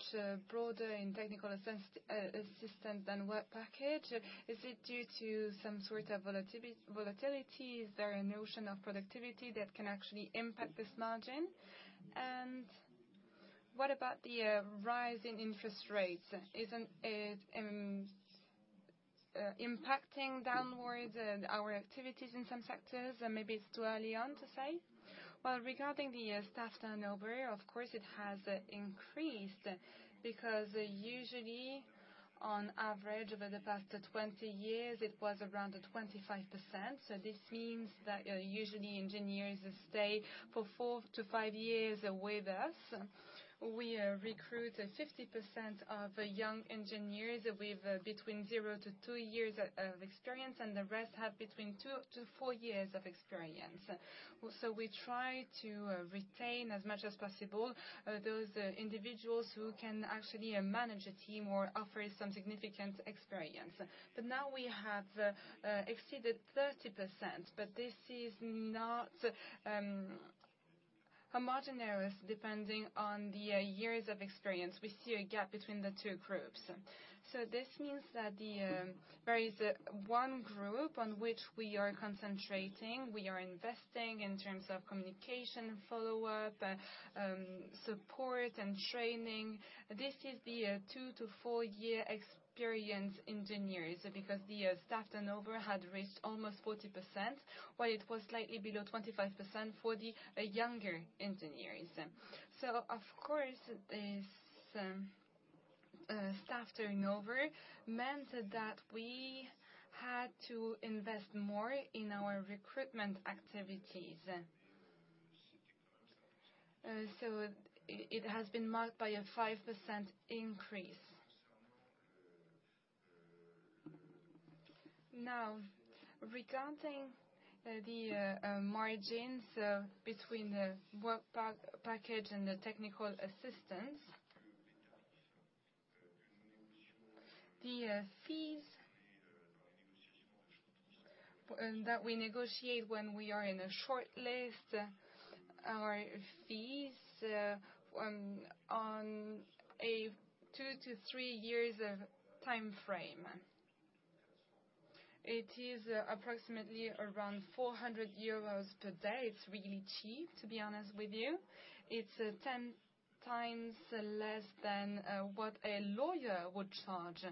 broader in technical assistance than work package. Is it due to some sort of volatility? Is there a notion of productivity that can actually impact this margin? What about the rise in interest rates? Isn't it impacting downwards our activities in some sectors? Or maybe it's too early to say. Well, regarding the staff turnover, of course it has increased because usually on average over the past 20 years it was around 25%. So this means that usually engineers stay for 4 to 5 years with us. We recruit 50% of young engineers with between 0-2 years of experience, and the rest have between 2-4 years of experience. We try to retain as much as possible those individuals who can actually manage a team or offer some significant experience. Now we have exceeded 30%, but this is not homogeneous, depending on the years of experience. We see a gap between the two groups. This means that there is one group on which we are concentrating. We are investing in terms of communication follow-up, support and training. This is the 2-4-year experience engineers because the staff turnover had reached almost 40%, while it was slightly below 25% for the younger engineers. Of course, this staff turnover meant that we had to invest more in our recruitment activities. It has been marked by a 5% increase. Now, regarding the margins between the work package and the technical assistance, the fees that we negotiate when we are in a short list are on a 2-3 years timeframe. It is approximately around 400 euros per day. It's really cheap, to be honest with you. It's 10 times less than what a lawyer would charge.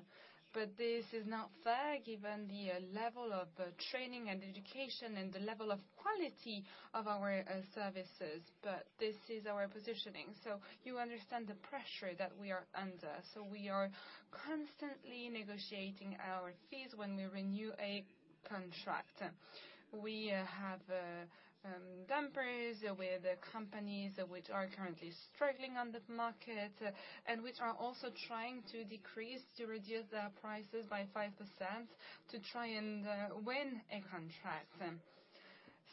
This is not fair given the level of training and education and the level of quality of our services. This is our positioning, you understand the pressure that we are under. We are constantly negotiating our fees when we renew a contract. We have deals with companies which are currently struggling on the market and which are also trying to reduce their prices by 5% to try and win a contract.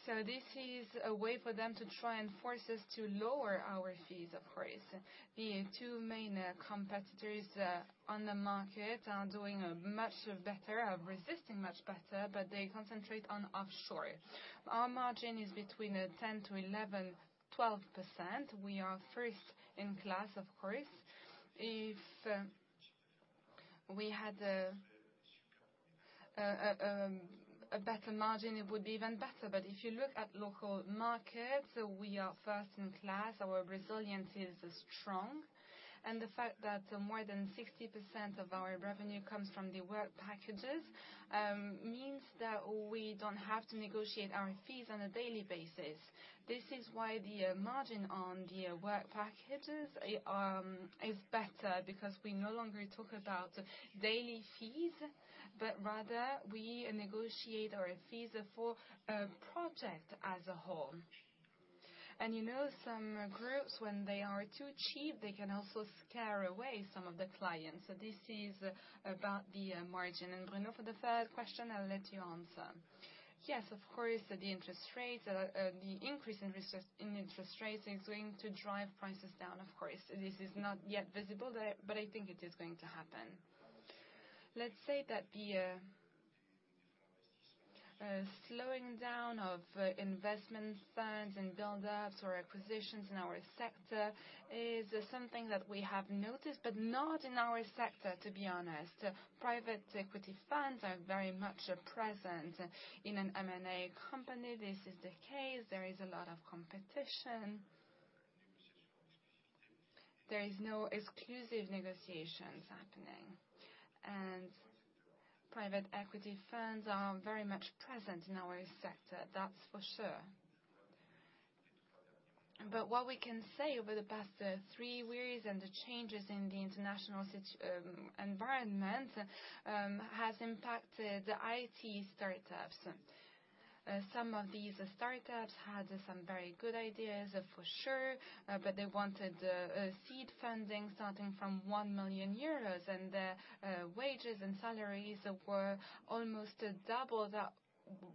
This is a way for them to try and force us to lower our fees, of course. The two main competitors on the market are doing much better, are resisting much better, but they concentrate on offshore. Our margin is between 10%-12%. We are first in class, of course. If we had a better margin, it would be even better. If you look at local markets, we are first in class. Our resilience is strong. The fact that more than 60% of our revenue comes from the work packages means that we don't have to negotiate our fees on a daily basis. This is why the margin on the work packages is better, because we no longer talk about daily fees, but rather we negotiate our fees for a project as a whole. You know, some groups, when they are too cheap, they can also scare away some of the clients. This is about the margin. Bruno, for the third question, I'll let you answer. Yes, of course, the interest rates, the increase in interest rates is going to drive prices down, of course. This is not yet visible, but I think it is going to happen. Let's say that the slowing down of investment funds and buildups or acquisitions in our sector is something that we have noticed, but not in our sector, to be honest. Private equity funds are very much present. In an M&A company, this is the case. There is a lot of competition. There is no exclusive negotiations happening, and private equity funds are very much present in our sector. That's for sure. What we can say over the past three years and the changes in the international environment has impacted IT startups. Some of these startups had some very good ideas, for sure, but they wanted a seed funding starting from 1 million euros, and their wages and salaries were almost double the...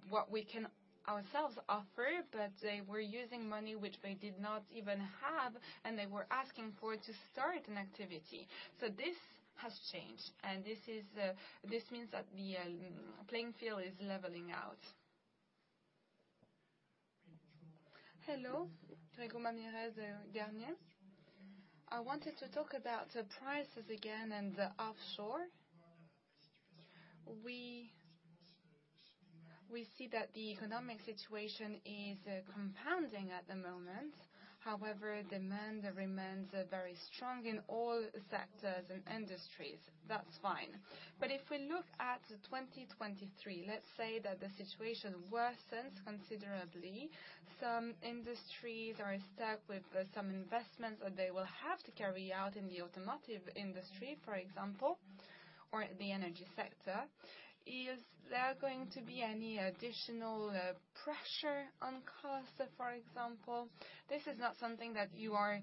What we can ourselves offer, but they were using money which they did not even have, and they were asking for it to start an activity. This has changed, and this means that the playing field is leveling out. Hello. Grégoire Maman, Garnier. I wanted to talk about prices again and the offshore. We see that the economic situation is compounding at the moment. However, demand remains very strong in all sectors and industries. That's fine. If we look at 2023, let's say that the situation worsens considerably. Some industries are stuck with some investments that they will have to carry out in the automotive industry, for example, or the energy sector. Is there going to be any additional pressure on costs, for example? This is not something that you are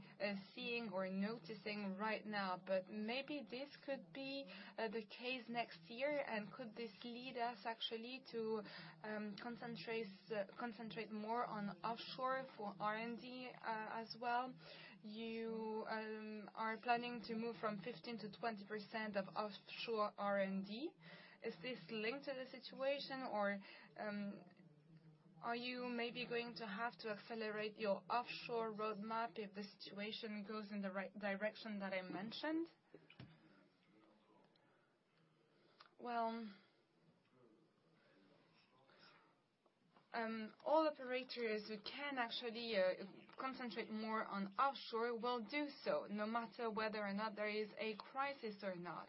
seeing or noticing right now, but maybe this could be the case next year. Could this lead us actually to concentrate more on offshore for R&D as well? You are planning to move from 15%-20% of offshore R&D. Is this linked to the situation or are you maybe going to have to accelerate your offshore roadmap if the situation goes in the right direction that I mentioned? Well, all operators who can actually concentrate more on offshore will do so, no matter whether or not there is a crisis or not.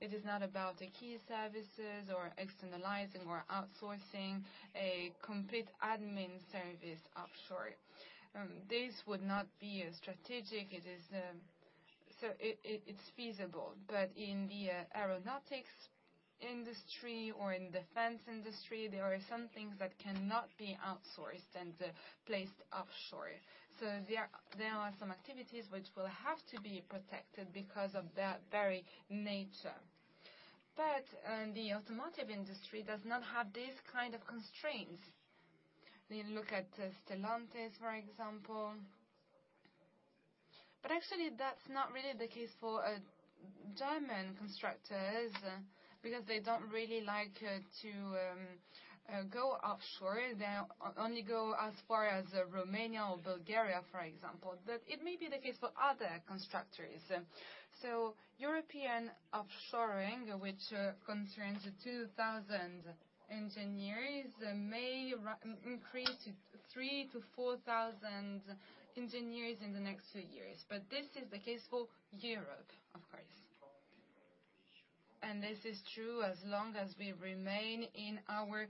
It is not about the key services or externalizing or outsourcing a complete admin service offshore. This would not be a strategic. It is. It's feasible. In the aeronautics industry or in defense industry, there are some things that cannot be outsourced and placed offshore. There are some activities which will have to be protected because of their very nature. The automotive industry does not have these kind of constraints. You look at Stellantis, for example. Actually that's not really the case for German constructors because they don't really like to go offshore. They only go as far as Romania or Bulgaria, for example. It may be the case for other constructors. European offshoring, which concerns 2,000 engineers, may increase to 3,000-4,000 engineers in the next 2 years. This is the case for Europe, of course. This is true as long as we remain in our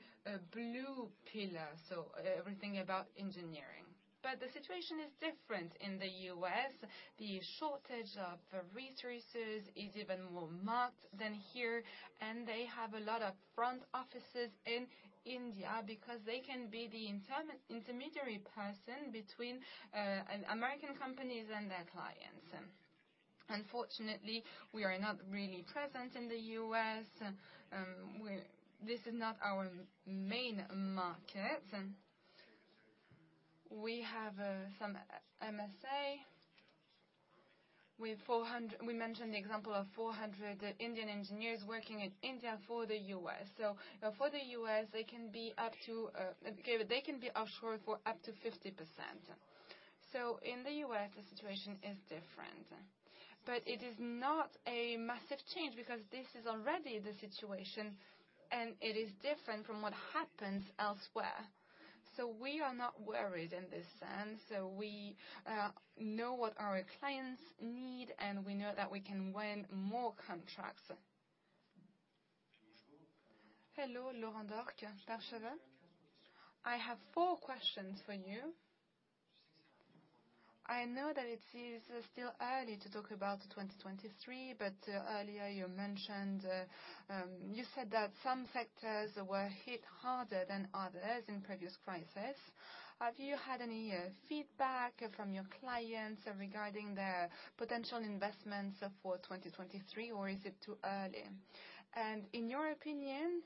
blue pillar, so everything about engineering. The situation is different in the U.S. The shortage of resources is even more marked than here, and they have a lot of front offices in India because they can be the intermediary person between American companies and their clients. Unfortunately, we are not really present in the U.S. This is not our main market. We have some MSA with 400 Indian engineers working in India for the U.S. For the U.S, they can be offshore for up to 50%. In the U.S., the situation is different. It is not a massive change because this is already the situation, and it is different from what happens elsewhere. We are not worried in this sense. We know what our clients need, and we know that we can win more contracts. Hello, Laurent Daure-Estève. I have four questions for you. I know that it is still early to talk about 2023, but earlier you mentioned you said that some sectors were hit harder than others in previous crisis. Have you had any feedback from your clients regarding their potential investments for 2023, or is it too early? In your opinion,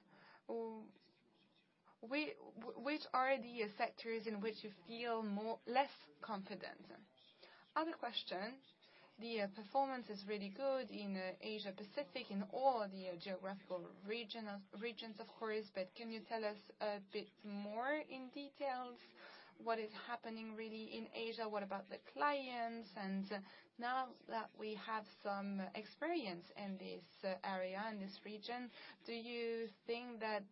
which are the sectors in which you feel less confident? Other question, the performance is really good in Asia Pacific, in all the geographical regions, of course, but can you tell us a bit more in details what is happening really in Asia? What about the clients? Now that we have some experience in this area, in this region, do you think that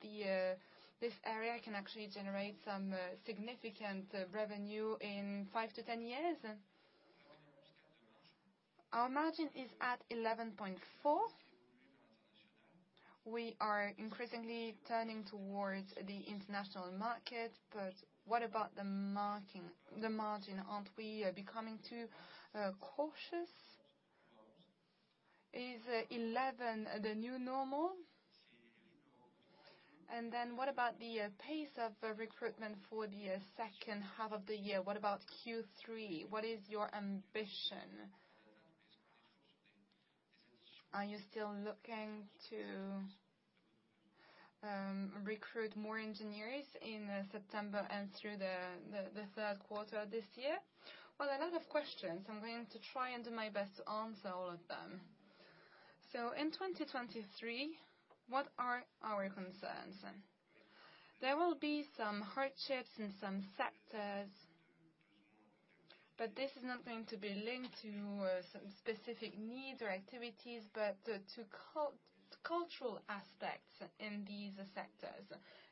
this area can actually generate some significant revenue in 5-10 years? Our margin is at 11.4%. We are increasingly turning towards the international market, but what about the margin? Aren't we becoming too cautious? Is 11 the new normal? What about the pace of the recruitment for the second half of the year? What about Q3? What is your ambition? Are you still looking to recruit more engineers in September and through the third quarter of this year? Well, a lot of questions. I'm going to try and do my best to answer all of them. In 2023, what are our concerns? There will be some hardships in some sectors, but this is not going to be linked to some specific needs or activities, but to cultural aspects in these sectors.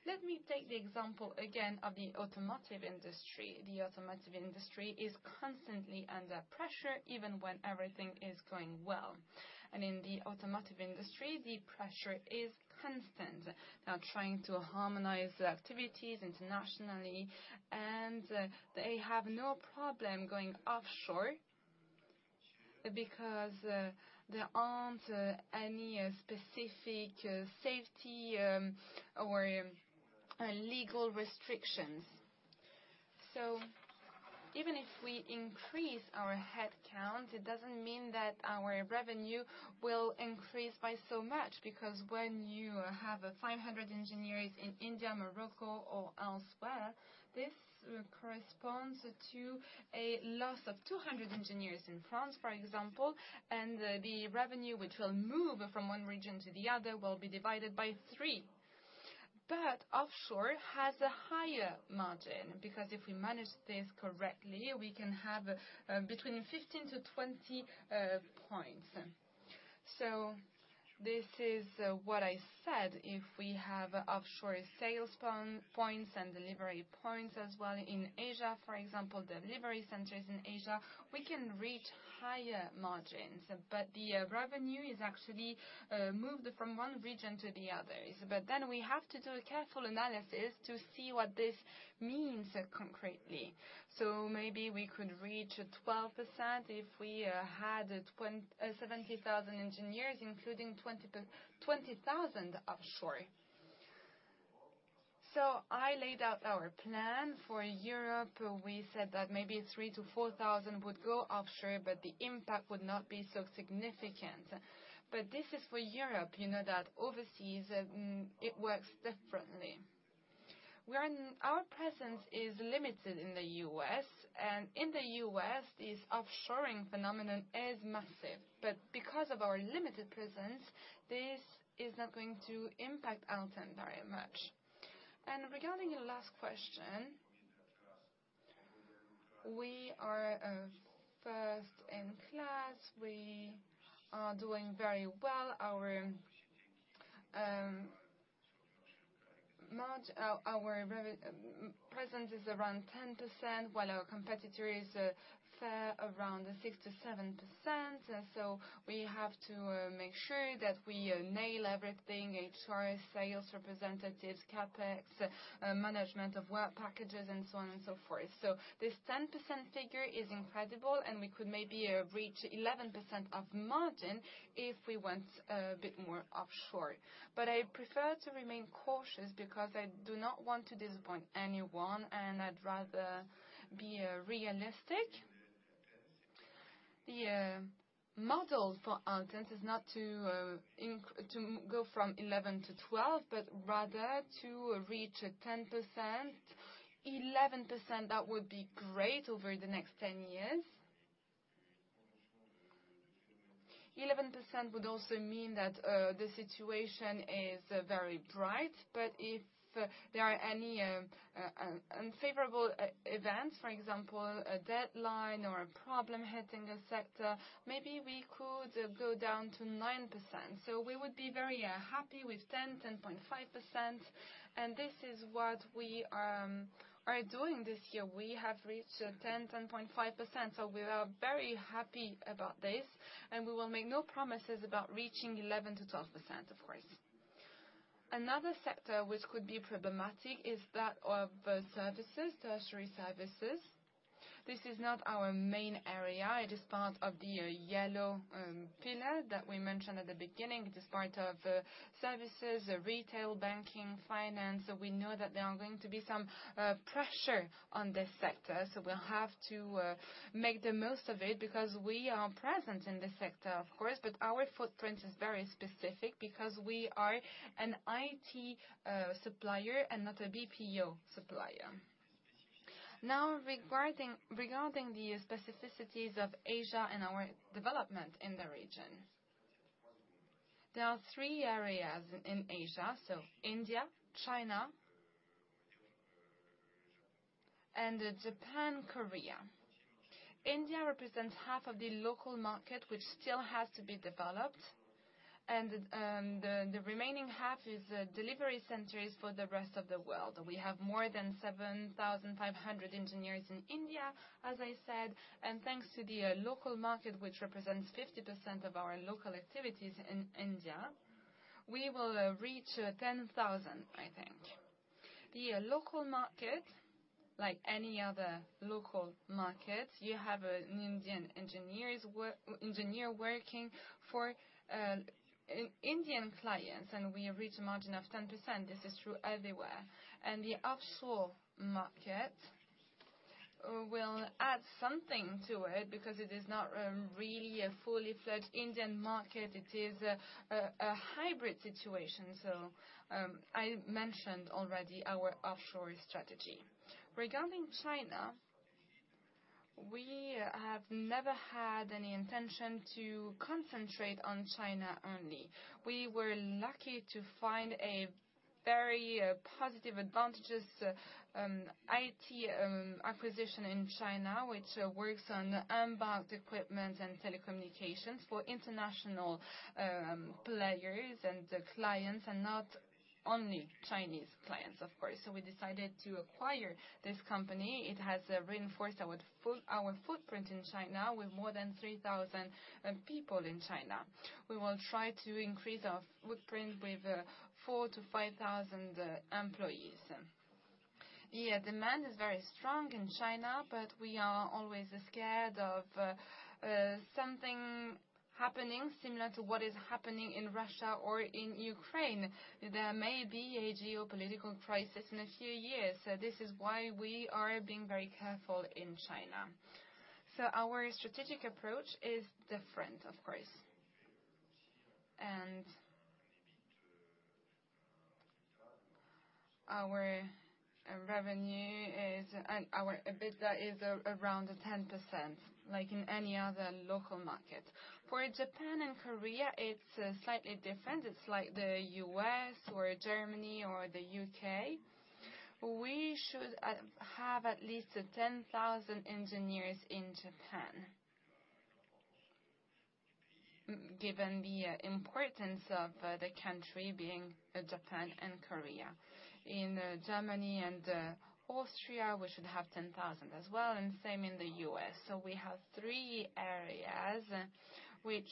Let me take the example again of the automotive industry. The automotive industry is constantly under pressure, even when everything is going well. In the automotive industry, the pressure is constant. They are trying to harmonize their activities internationally, and they have no problem going offshore because there aren't any specific safety or legal restrictions. Even if we increase our headcount, it doesn't mean that our revenue will increase by so much. Because when you have 500 engineers in India, Morocco or elsewhere, this corresponds to a loss of 200 engineers in France, for example, and the revenue which will move from one region to the other will be divided by three. Offshore has a higher margin, because if we manage this correctly, we can have between 15-20 points. This is what I said. If we have offshore sales points and delivery points as well in Asia, for example, delivery centers in Asia, we can reach higher margins. The revenue is actually moved from one region to the other. We have to do a careful analysis to see what this means concretely. Maybe we could reach 12% if we had 27,000 engineers, including 20,000 offshore. I laid out our plan for Europe. We said that maybe 3,000-4,000 would go offshore, but the impact would not be so significant. This is for Europe. You know that overseas, it works differently. When our presence is limited in the U.S., and in the U.S., this offshoring phenomenon is massive. Because of our limited presence, this is not going to impact Alten's very much. Regarding your last question, we are first in class. We are doing very well. Our presence is around 10%, while our competitor is far around 6%-7%. We have to make sure that we nail everything, HR, sales representatives, CapEx, management of work packages, and so on and so forth. This 10% figure is incredible, and we could maybe reach 11% of margin if we went a bit more offshore. I prefer to remain cautious because I do not want to disappoint anyone, and I'd rather be realistic. The model for Alten is not to go from 11-12, but rather to reach a 10%. 11% would be great over the next 10 years. 11% would also mean that the situation is very bright. If there are any unfavorable events, for example, a deadline or a problem hitting a sector, maybe we could go down to 9%. We would be very happy with 10-10.5%, and this is what we are doing this year. We have reached 10-10.5%. We are very happy about this, and we will make no promises about reaching 11%-12%, of course. Another sector which could be problematic is that of services, tertiary services. This is not our main area. It is part of the yellow pillar that we mentioned at the beginning. It is part of services, retail, banking, finance, so we know that there are going to be some pressure on this sector. We'll have to make the most of it because we are present in this sector, of course, but our footprint is very specific because we are an IT supplier and not a BPO supplier. Now regarding the specificities of Asia and our development in the region. There are three areas in Asia, so India, China and Japan, Korea. India represents half of the local market, which still has to be developed. The remaining half is delivery centers for the rest of the world. We have more than 7,500 engineers in India, as I said. Thanks to the local market, which represents 50% of our local activities in India, we will reach 10,000, I think. The local market, like any other local market, you have an Indian engineer working for Indian clients, and we reach a margin of 10%. This is true everywhere. The offshore market will add something to it because it is not really a fully fledged Indian market. It is a hybrid situation. I mentioned already our offshore strategy. Regarding China, we have never had any intention to concentrate on China only. We were lucky to find a very positive advantages IT acquisition in China, which works on onboard equipment and telecommunications for international players and clients, and not only Chinese clients, of course. We decided to acquire this company. It has reinforced our footprint in China with more than 3,000 people in China. We will try to increase our footprint with 4,000-5,000 employees. Yeah, demand is very strong in China, but we are always scared of something happening similar to what is happening in Russia or in Ukraine. There may be a geopolitical crisis in a few years. This is why we are being very careful in China. Our strategic approach is different, of course. Our revenue and our EBITDA is around 10%, like in any other local market. For Japan and Korea, it's slightly different. It's like the U.S. or Germany or the U.K. We should have at least 10,000 engineers in Japan, given the importance of the country being Japan and Korea. In Germany and Austria, we should have 10,000 as well, and same in the U.S. We have three areas which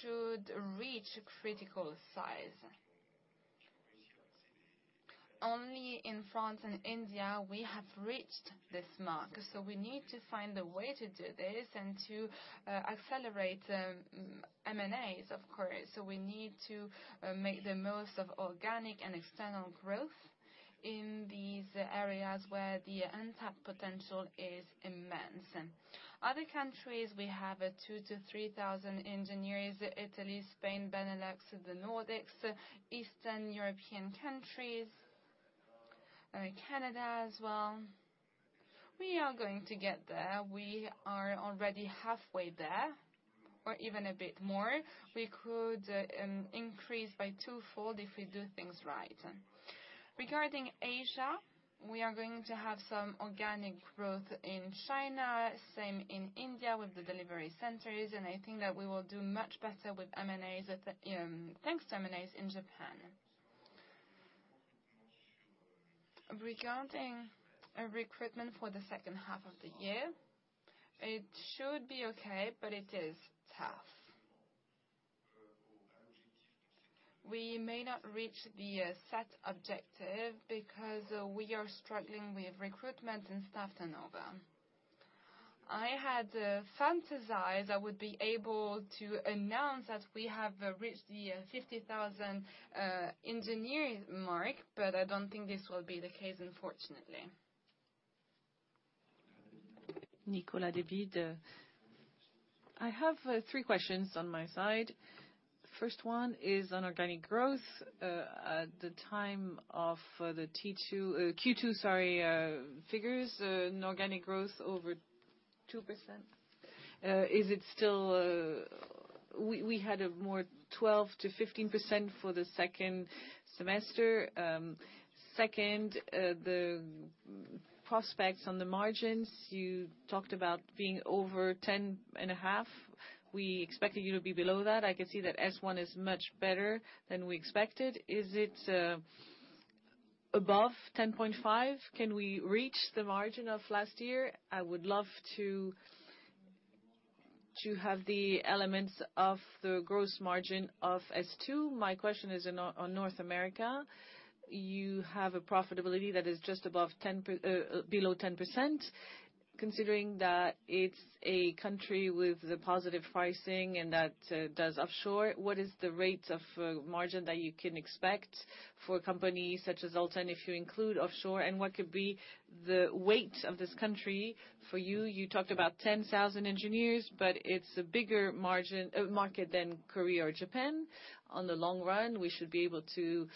should reach critical size. Only in France and India we have reached this mark, so we need to find a way to do this and to accelerate M&As, of course. We need to make the most of organic and external growth in these areas where the untapped potential is immense. Other countries, we have 2,000-3,000 engineers, Italy, Spain, Benelux, the Nordics, Eastern European countries, Canada as well. We are going to get there. We are already halfway there or even a bit more. We could increase by twofold if we do things right. Regarding Asia, we are going to have some organic growth in China, same in India with the delivery centers, and I think that we will do much better with M&As, thanks to M&As in Japan. Regarding a recruitment for the second half of the year, it should be okay, but it is tough. We may not reach the set objective because we are struggling with recruitment and staff turnover. I had fantasized I would be able to announce that we have reached the 50,000 engineering mark, but I don't think this will be the case, unfortunately. Nicolas David. I have three questions on my side. First one is on organic growth. At the time of the Q2 figures, an organic growth over 2%. Is it still? We had or more 12%-15% for the second semester. Second, the prospects on the margins, you talked about being over 10.5%. We expected you to be below that. I can see that H1 is much better than we expected. Is it above 10.5%? Can we reach the margin of last year? I would love to have the elements of the gross margin of H2. My question is on North America. You have a profitability that is just above 10%, below 10%. Considering that it's a country with the positive pricing and that does offshore, what is the rate of margin that you can expect for a company such as Alten if you include offshore? What could be the weight of this country for you? You talked about 10,000 engineers, but it's a bigger margin market than Korea or Japan. In the long run, we should be able to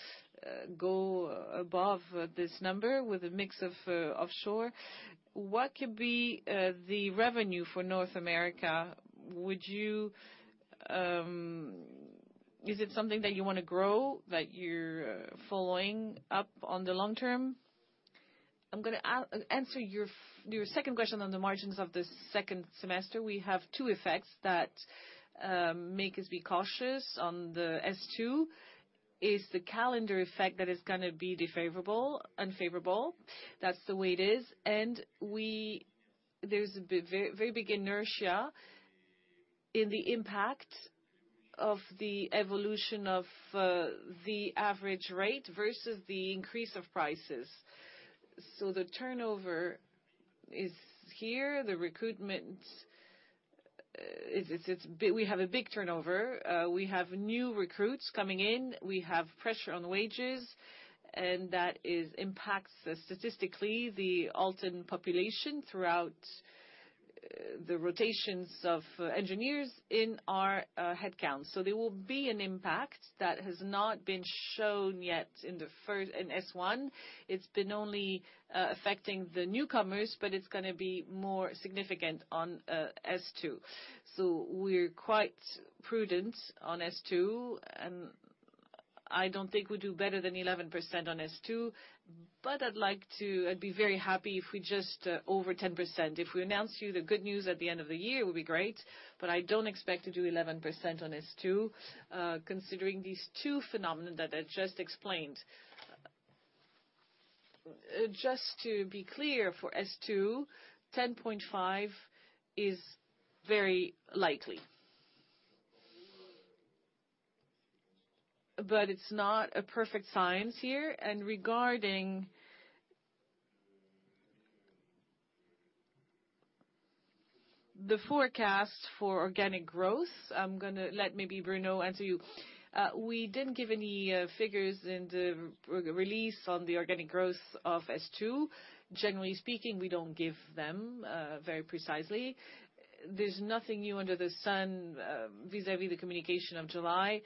go above this number with a mix of offshore. What could be the revenue for North America? Would you... Is it something that you wanna grow, that you're following up on the long term? I'm gonna answer your second question on the margins of the second semester. We have two effects that make us be cautious on the S2, is the calendar effect that is gonna be unfavorable. That's the way it is. There's a very, very big inertia in the impact of the evolution of the average rate versus the increase of prices. The turnover is here. The recruitment is big. We have a big turnover. We have new recruits coming in. We have pressure on wages, and that impacts statistically the Alten population throughout the rotations of engineers in our headcount. There will be an impact that has not been shown yet in H1. It's only been affecting the newcomers, but it's gonna be more significant on H2. We're quite prudent on H2, and I don't think we'll do better than 11% on H2. I'd like to. I'd be very happy if we just over 10%. If we announce you the good news at the end of the year, it would be great, but I don't expect to do 11% on S2, considering these two phenomena that I just explained. Just to be clear, for S2, 10.5% is very likely. But it's not a perfect science here. Regarding the forecast for organic growth, I'm gonna let maybe Bruno answer you. We didn't give any figures in the release on the organic growth of S2. Generally speaking, we don't give them very precisely. There's nothing new under the sun, vis-à-vis the communication of July.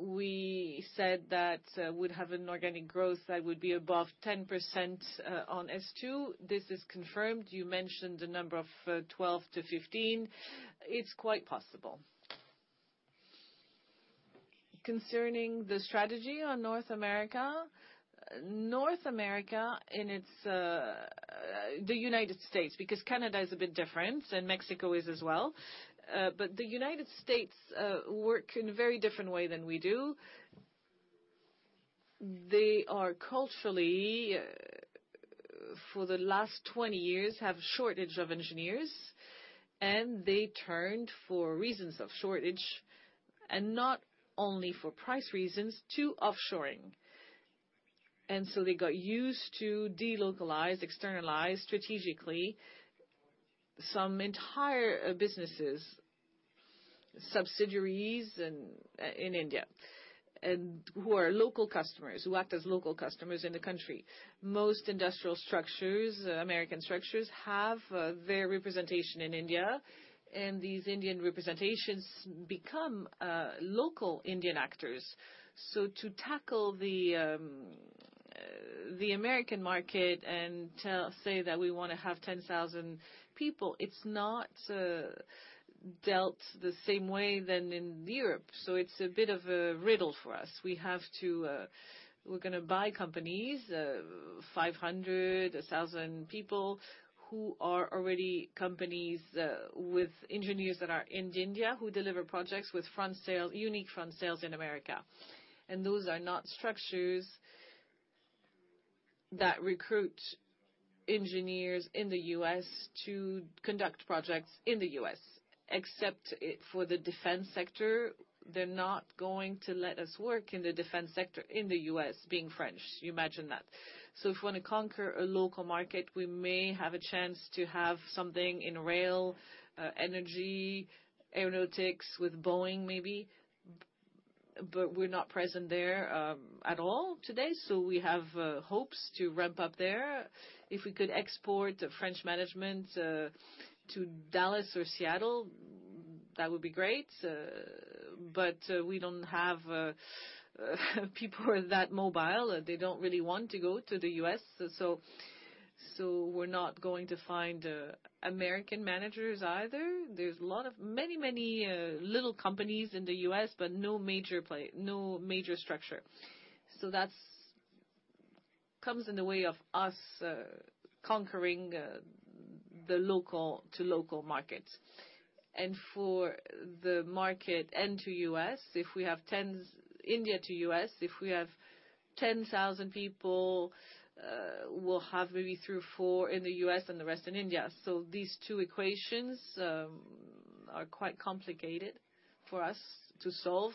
We said that we'd have an organic growth that would be above 10%, on S2. This is confirmed. You mentioned the number of 12%-15%. It's quite possible. Concerning the strategy on North America, the United States, because Canada is a bit different and Mexico is as well. The United States work in a very different way than we do. They are culturally, for the last 20 years, have shortage of engineers, and they turned for reasons of shortage and not only for price reasons, to offshoring. They got used to delocalize, externalize strategically some entire businesses, subsidiaries in India, and who are local customers, who act as local customers in the country. Most industrial structures, American structures have their representation in India, and these Indian representations become local Indian actors. To tackle the American market and say that we wanna have 10,000 people, it's not dealt the same way than in Europe. It's a bit of a riddle for us. We're gonna buy companies, 500, 1,000 people who are already companies, with engineers that are in India who deliver projects with front sales, unique front sales in America. Those are not structures that recruit engineers in the U.S. to conduct projects in the U.S., except for the defense sector. They're not going to let us work in the defense sector in the U.S. being French. You imagine that. If we wanna conquer a local market, we may have a chance to have something in rail, energy, aeronautics with Boeing, maybe. We're not present there at all today, so we have hopes to ramp up there. If we could export French management to Dallas or Seattle, that would be great. We don't have people that mobile. They don't really want to go to the U.S., so we're not going to find American managers either. There's a lot of many little companies in the U.S., but no major structure. That comes in the way of us conquering the local to local market. For the market in the U.S., India to U.S., If we have 10,000 people, we'll have maybe three or four in the U.S.. And the rest in India. These two equations are quite complicated for us to solve.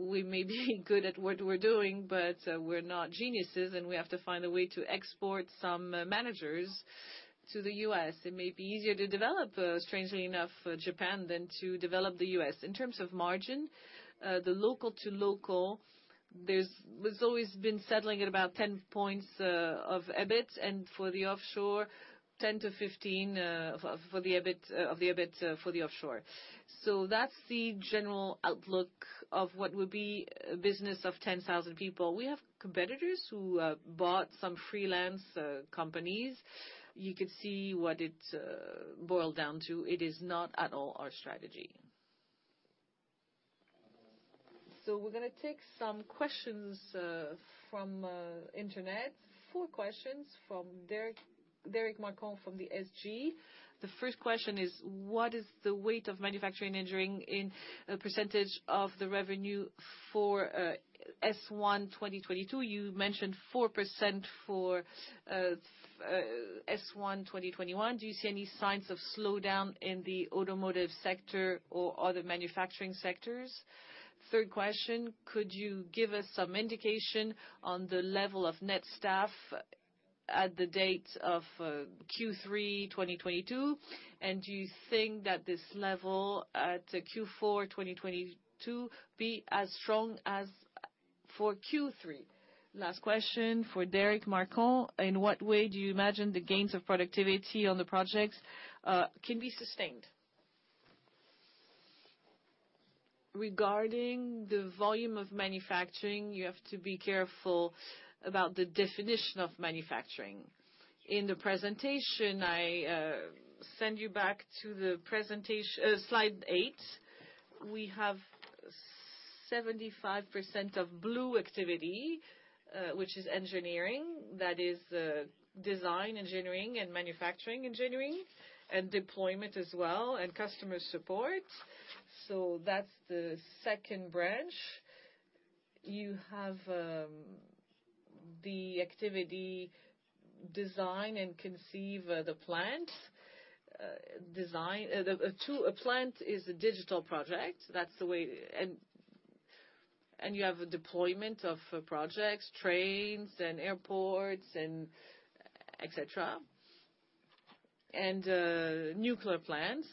We may be good at what we're doing, but we're not geniuses, and we have to find a way to export some managers to the U.S. It may be easier to develop, strangely enough, Japan than to develop the U.S. In terms of margin, the local to local. There's always been settling at about 10 points of EBIT, and for the offshore, 10%-15% for the EBIT for the offshore. That's the general outlook of what would be a business of 10,000 people. We have competitors who bought some freelance companies. You could see what it boiled down to. It is not at all our strategy. We're gonna take some questions from the internet. Four questions from Eric Marcos from Société Générale. The first question is, what is the weight of manufacturing engineering in a percentage of the revenue for H1 2022? You mentioned 4% for H1 2021. Do you see any signs of slowdown in the automotive sector or other manufacturing sectors? Third question, could you give us some indication on the level of net staff at the date of Q3 2022? And do you think that this level at Q4 2022 be as strong as for Q3? Last question for Eric Marcos, in what way do you imagine the gains of productivity on the projects can be sustained? Regarding the volume of manufacturing, you have to be careful about the definition of manufacturing. In the presentation, I send you back to the presentation, slide 8. We have 75% of blue activity, which is engineering. That is, design engineering and manufacturing engineering and deployment as well and customer support. That's the second branch. You have the activity design and conceive the plant. A plant is a digital project. That's the way and you have a deployment of projects, trains and airports and et cetera, and nuclear plants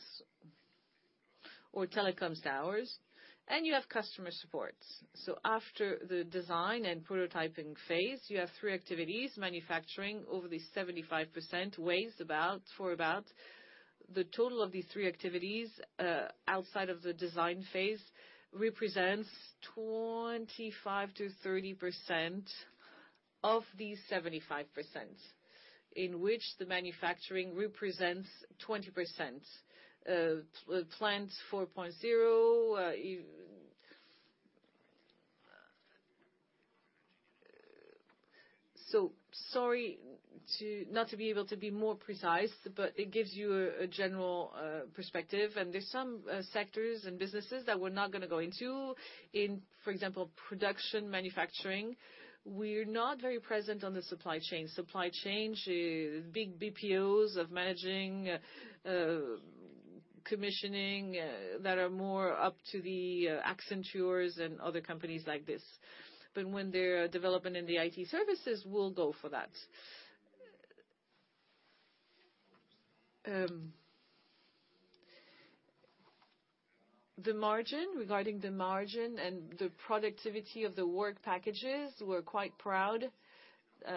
or telecoms towers, and you have customer support. After the design and prototyping phase, you have three activities. Manufacturing, over the 75%, for about the total of these three activities outside of the design phase represents 25%-30% of the 75%, in which the manufacturing represents 20%. Industry 4.0, so sorry not to be able to be more precise, but it gives you a general perspective. There's some sectors and businesses that we're not gonna go into. In, for example, production manufacturing, we're not very present on the supply chain. Supply chain, big BPOs of managing, commissioning, that are more up to the Accenture and other companies like this. When they're developing in the IT services, we'll go for that. The margin, regarding the margin and the productivity of the work packages, we're quite proud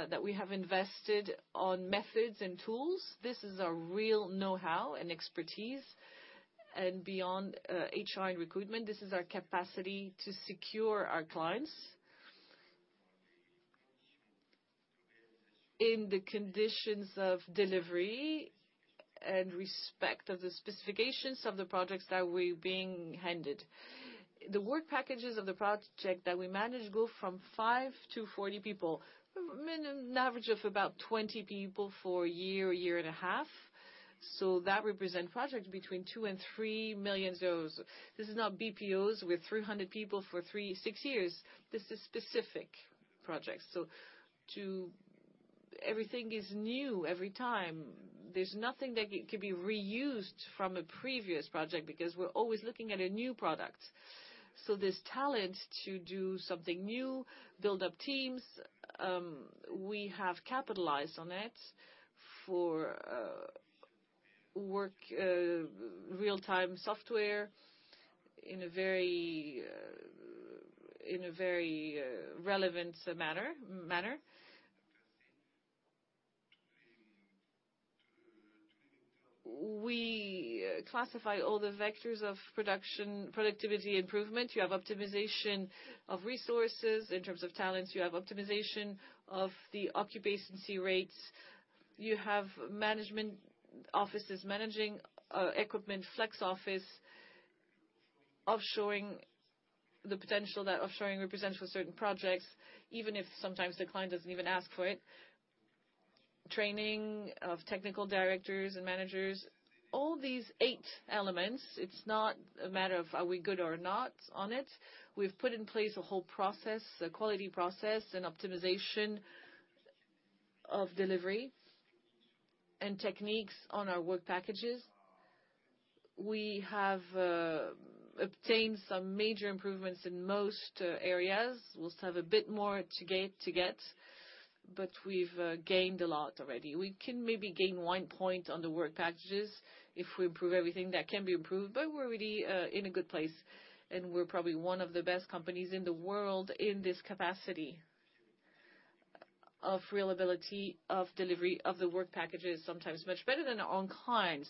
that we have invested on methods and tools. This is our real know-how and expertise. Beyond HR and recruitment, this is our capacity to secure our clients in the conditions of delivery and respect of the specifications of the projects that we're being handed. The work packages of the project that we manage go from 5 to 40 people, an average of about 20 people for a year, a year and a half. That represents projects between 2 million and 3 million euros. This is not BPOs with 300 people for 3-6 years. This is specific projects. Everything is new every time. There's nothing that can be reused from a previous project because we're always looking at a new product. This talent to do something new, build up teams, we have capitalized on it for work, real-time software in a very relevant manner. We classify all the vectors of production, productivity improvement. You have optimization of resources in terms of talents. You have optimization of the occupancy rates. You have management offices managing equipment, flex office, offshoring the potential that offshoring represents for certain projects, even if sometimes the client doesn't even ask for it. Training of technical directors and managers. All these eight elements, it's not a matter of are we good or not on it. We've put in place a whole process, a quality process, and optimization of delivery and techniques on our work packages. We have obtained some major improvements in most areas. We'll have a bit more to get, but we've gained a lot already. We can maybe gain one point on the work packages if we improve everything that can be improved, but we're already in a good place, and we're probably one of the best companies in the world in this capacity of reliability, of delivery of the work packages, sometimes much better than our own clients.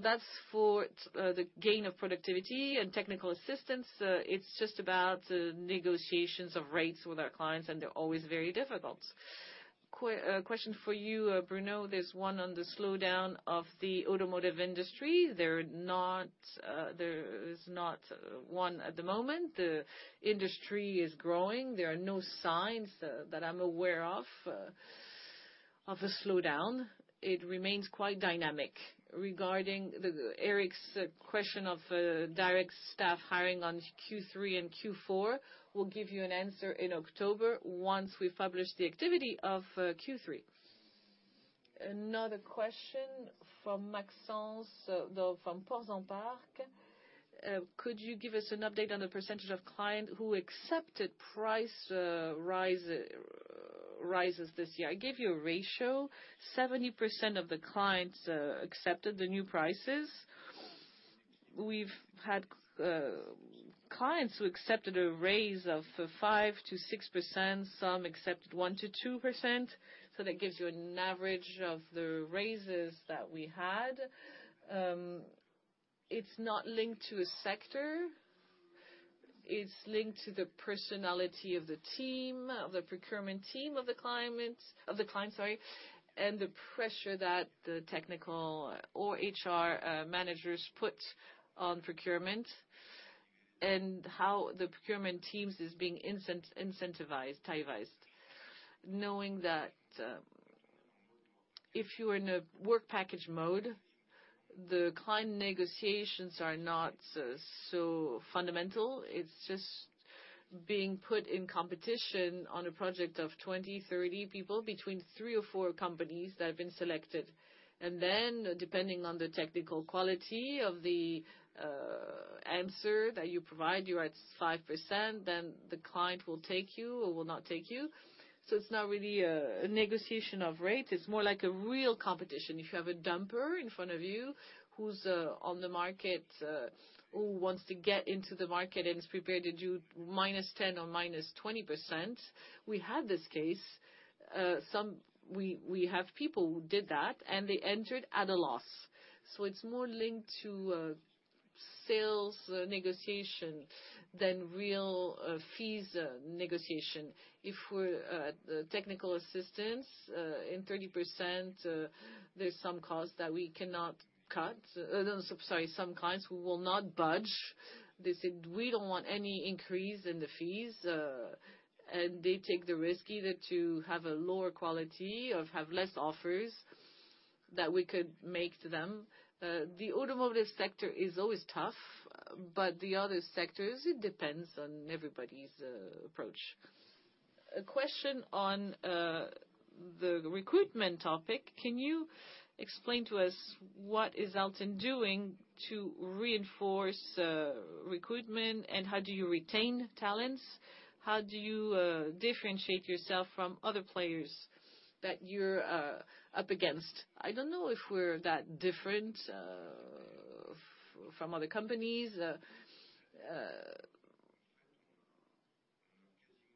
That's for the gain of productivity and technical assistance. It's just about negotiations of rates with our clients, and they're always very difficult. Question for you, Bruno Benoliel. There's one on the slowdown of the automotive industry. There is not one at the moment. The industry is growing. There are no signs that I'm aware of of a slowdown. It remains quite dynamic. Regarding Eric's question of direct staff hiring on Q3 and Q4, we'll give you an answer in October once we publish the activity of Q3. Another question from Maxence D'Hotelans from Portzamparc. Could you give us an update on the percentage of client who accepted price rises this year? I gave you a ratio. 70% of the clients accepted the new prices. We've had clients who accepted a raise of 5%-6%, some accepted 1%-2%, so that gives you an average of the raises that we had. It's not linked to a sector. It's linked to the personality of the team, of the procurement team, of the client, sorry, and the pressure that the technical or HR managers put on procurement and how the procurement teams is being incentivized. Knowing that, if you are in a work package mode, the client negotiations are not so fundamental. It's just being put in competition on a project of 20-30 people between 3 or 4 companies that have been selected. Depending on the technical quality of the answer that you provide, you're at 5%, then the client will take you or will not take you. It's not really a negotiation of rate. It's more like a real competition. If you have a dumper in front of you who's on the market, who wants to get into the market and is prepared to do -10% or -20%. We had this case. We have people who did that, and they entered at a loss. It's more linked to sales negotiation than real fees negotiation. If we're at the technical assistance in 30%, there's some costs that we cannot cut. Some clients who will not budge. They said, "We don't want any increase in the fees." They take the risk either to have a lower quality or have less offers that we could make to them. The automotive sector is always tough, but the other sectors, it depends on everybody's approach. A question on the recruitment topic. Can you explain to us what is Alten doing to reinforce recruitment, and how do you retain talents? How do you differentiate yourself from other players that you're up against? I don't know if we're that different from other companies.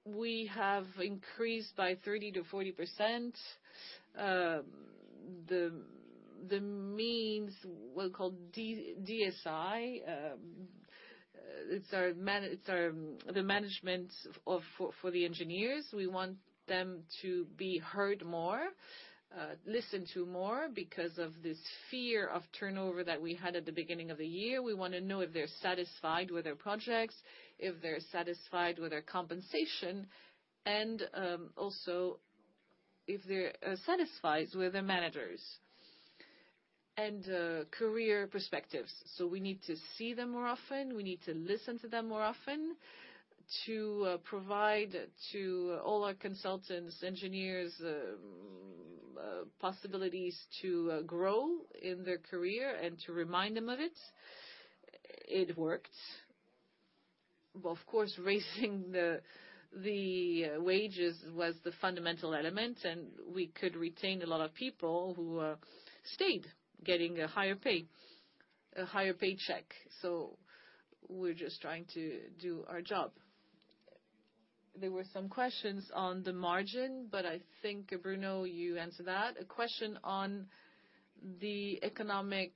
We have increased by 30%-40% the means we'll call DSI. It's the management for the engineers. We want them to be heard more, listened to more because of this fear of turnover that we had at the beginning of the year. We wanna know if they're satisfied with their projects, if they're satisfied with their compensation, and also if they're satisfied with their managers and career perspectives. We need to see them more often. We need to listen to them more often to provide to all our consultants, engineers, possibilities to grow in their career and to remind them of it. It worked. Well, of course, raising the wages was the fundamental element, and we could retain a lot of people who stayed getting a higher pay, a higher paycheck. We're just trying to do our job. There were some questions on the margin, but I think, Bruno, you answered that. A question on the economic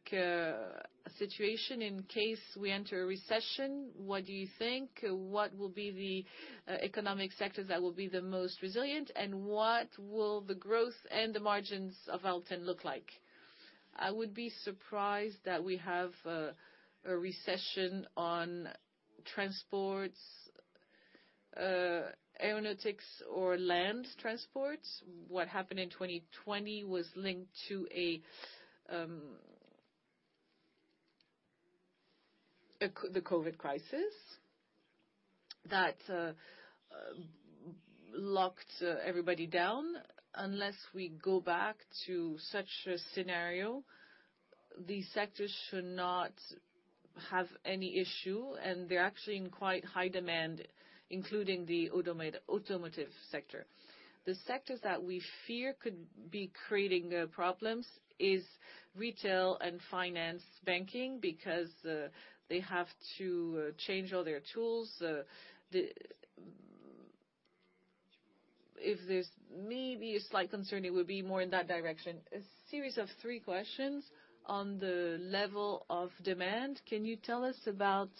situation in case we enter a recession, what do you think? What will be the economic sectors that will be the most resilient, and what will the growth and the margins of Alten look like? I would be surprised that we have a recession on transports, aeronautics or land transports. What happened in 2020 was linked to the COVID crisis that locked everybody down. Unless we go back to such a scenario, these sectors should not have any issue, and they're actually in quite high demand, including the automotive sector. The sectors that we fear could be creating problems is retail and finance banking, because they have to change all their tools. If there's maybe a slight concern, it would be more in that direction. A series of three questions on the level of demand. Can you tell us about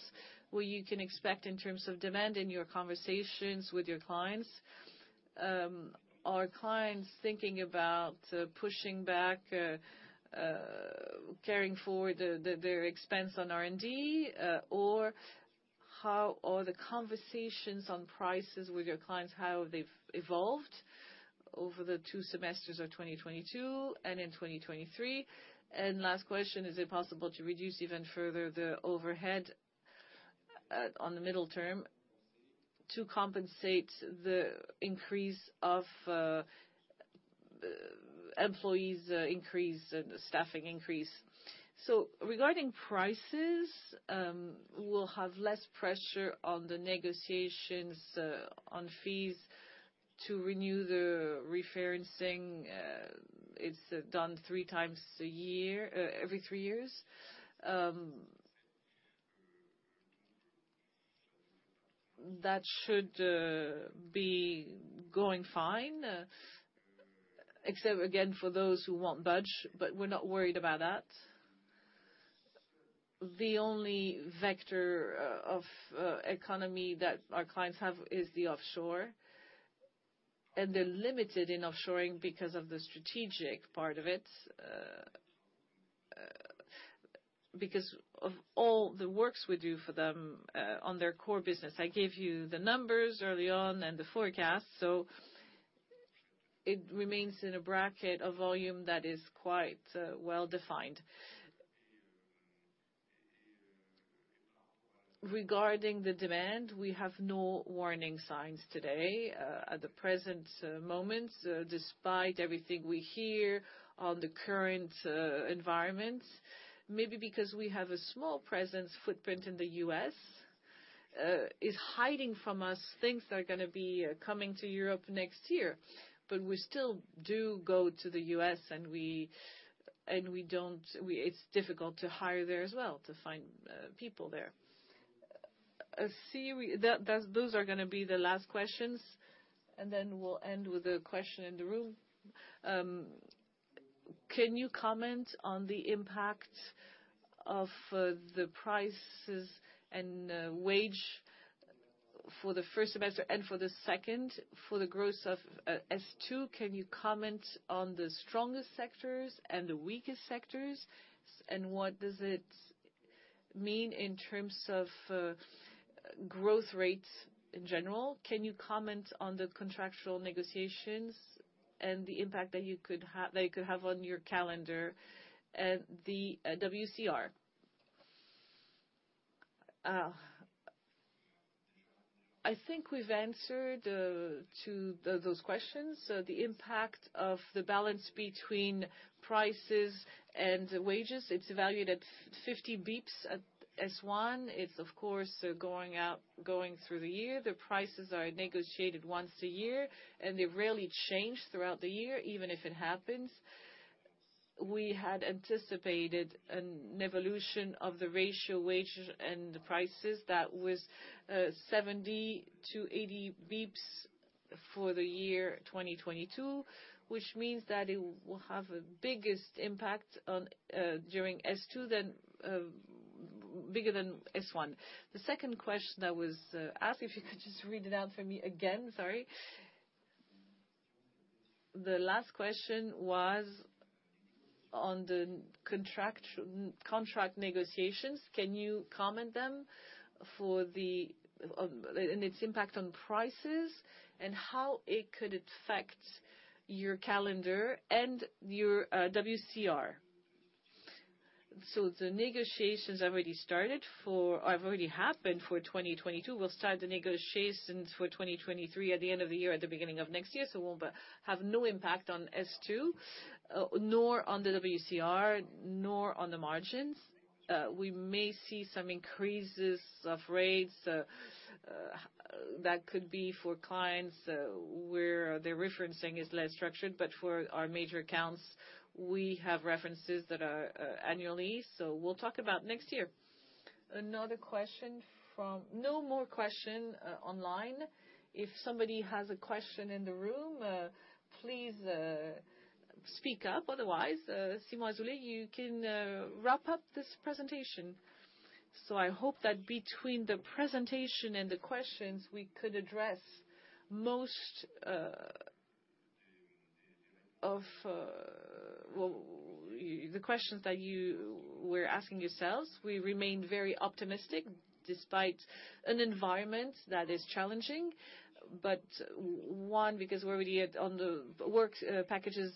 what you can expect in terms of demand in your conversations with your clients? Are clients thinking about pushing back, carrying forward their their expense on R&D? Or how are the conversations on prices with your clients, how they've evolved over the two semesters of 2022 and in 2023? Last question, is it possible to reduce even further the overhead, on the middle term to compensate the increase of, employees increase and staffing increase? Regarding prices, we'll have less pressure on the negotiations, on fees to renew the referencing. It's done three times a year, every three years. That should be going fine, except again, for those who won't budge, but we're not worried about that. The only vector of economy that our clients have is the offshore, and they're limited in offshoring because of the strategic part of it. Because of all the works we do for them on their core business. I gave you the numbers early on and the forecast, so it remains in a bracket of volume that is quite well-defined. Regarding the demand, we have no warning signs today at the present moment despite everything we hear on the current environment, maybe because we have a small presence footprint in the U.S. It's hiding from us things that are gonna be coming to Europe next year. We still do go to the U.S., and it's difficult to hire there as well, to find people there. Those are gonna be the last questions, and then we'll end with a question in the room. Can you comment on the impact of the prices and wage for the first semester and for the second? For the growth of S2, can you comment on the strongest sectors and the weakest sectors, and what does it mean in terms of growth rates in general? Can you comment on the contractual negotiations and the impact that they could have on your calendar and the WCR? I think we've answered to those questions. The impact of the balance between prices and wages, it's valued at 50 bps at S1. It's of course going on through the year. The prices are negotiated once a year, and they rarely change throughout the year, even if it happens. We had anticipated an evolution of the ratio wages and the prices that was 70-80 bps for the year 2022, which means that it will have a bigger impact during S2 than during S1. The second question that was asked, if you could just read it out for me again. Sorry. The last question was on the contract negotiations. Can you comment on them and its impact on prices and how it could affect your calendar and your WCR? The negotiations have already happened for 2022. We'll start the negotiations for 2023 at the end of the year, at the beginning of next year. It won't have no impact on S2, nor on the WCR, nor on the margins. We may see some increases of rates that could be for clients where their referencing is less structured. For our major accounts, we have references that are annually. We'll talk about next year. No more questions online. If somebody has a question in the room, please speak up. Otherwise, Simon Azoulay, you can wrap up this presentation. I hope that between the presentation and the questions, we could address most of, well, the questions that you were asking yourselves. We remain very optimistic despite an environment that is challenging. One, because we're already on the work packages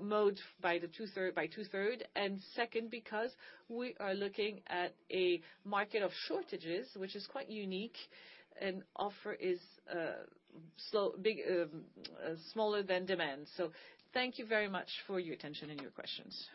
moved by two-thirds, and second, because we are looking at a market of shortages, which is quite unique and offer is somewhat smaller than demand. Thank you very much for your attention and your questions.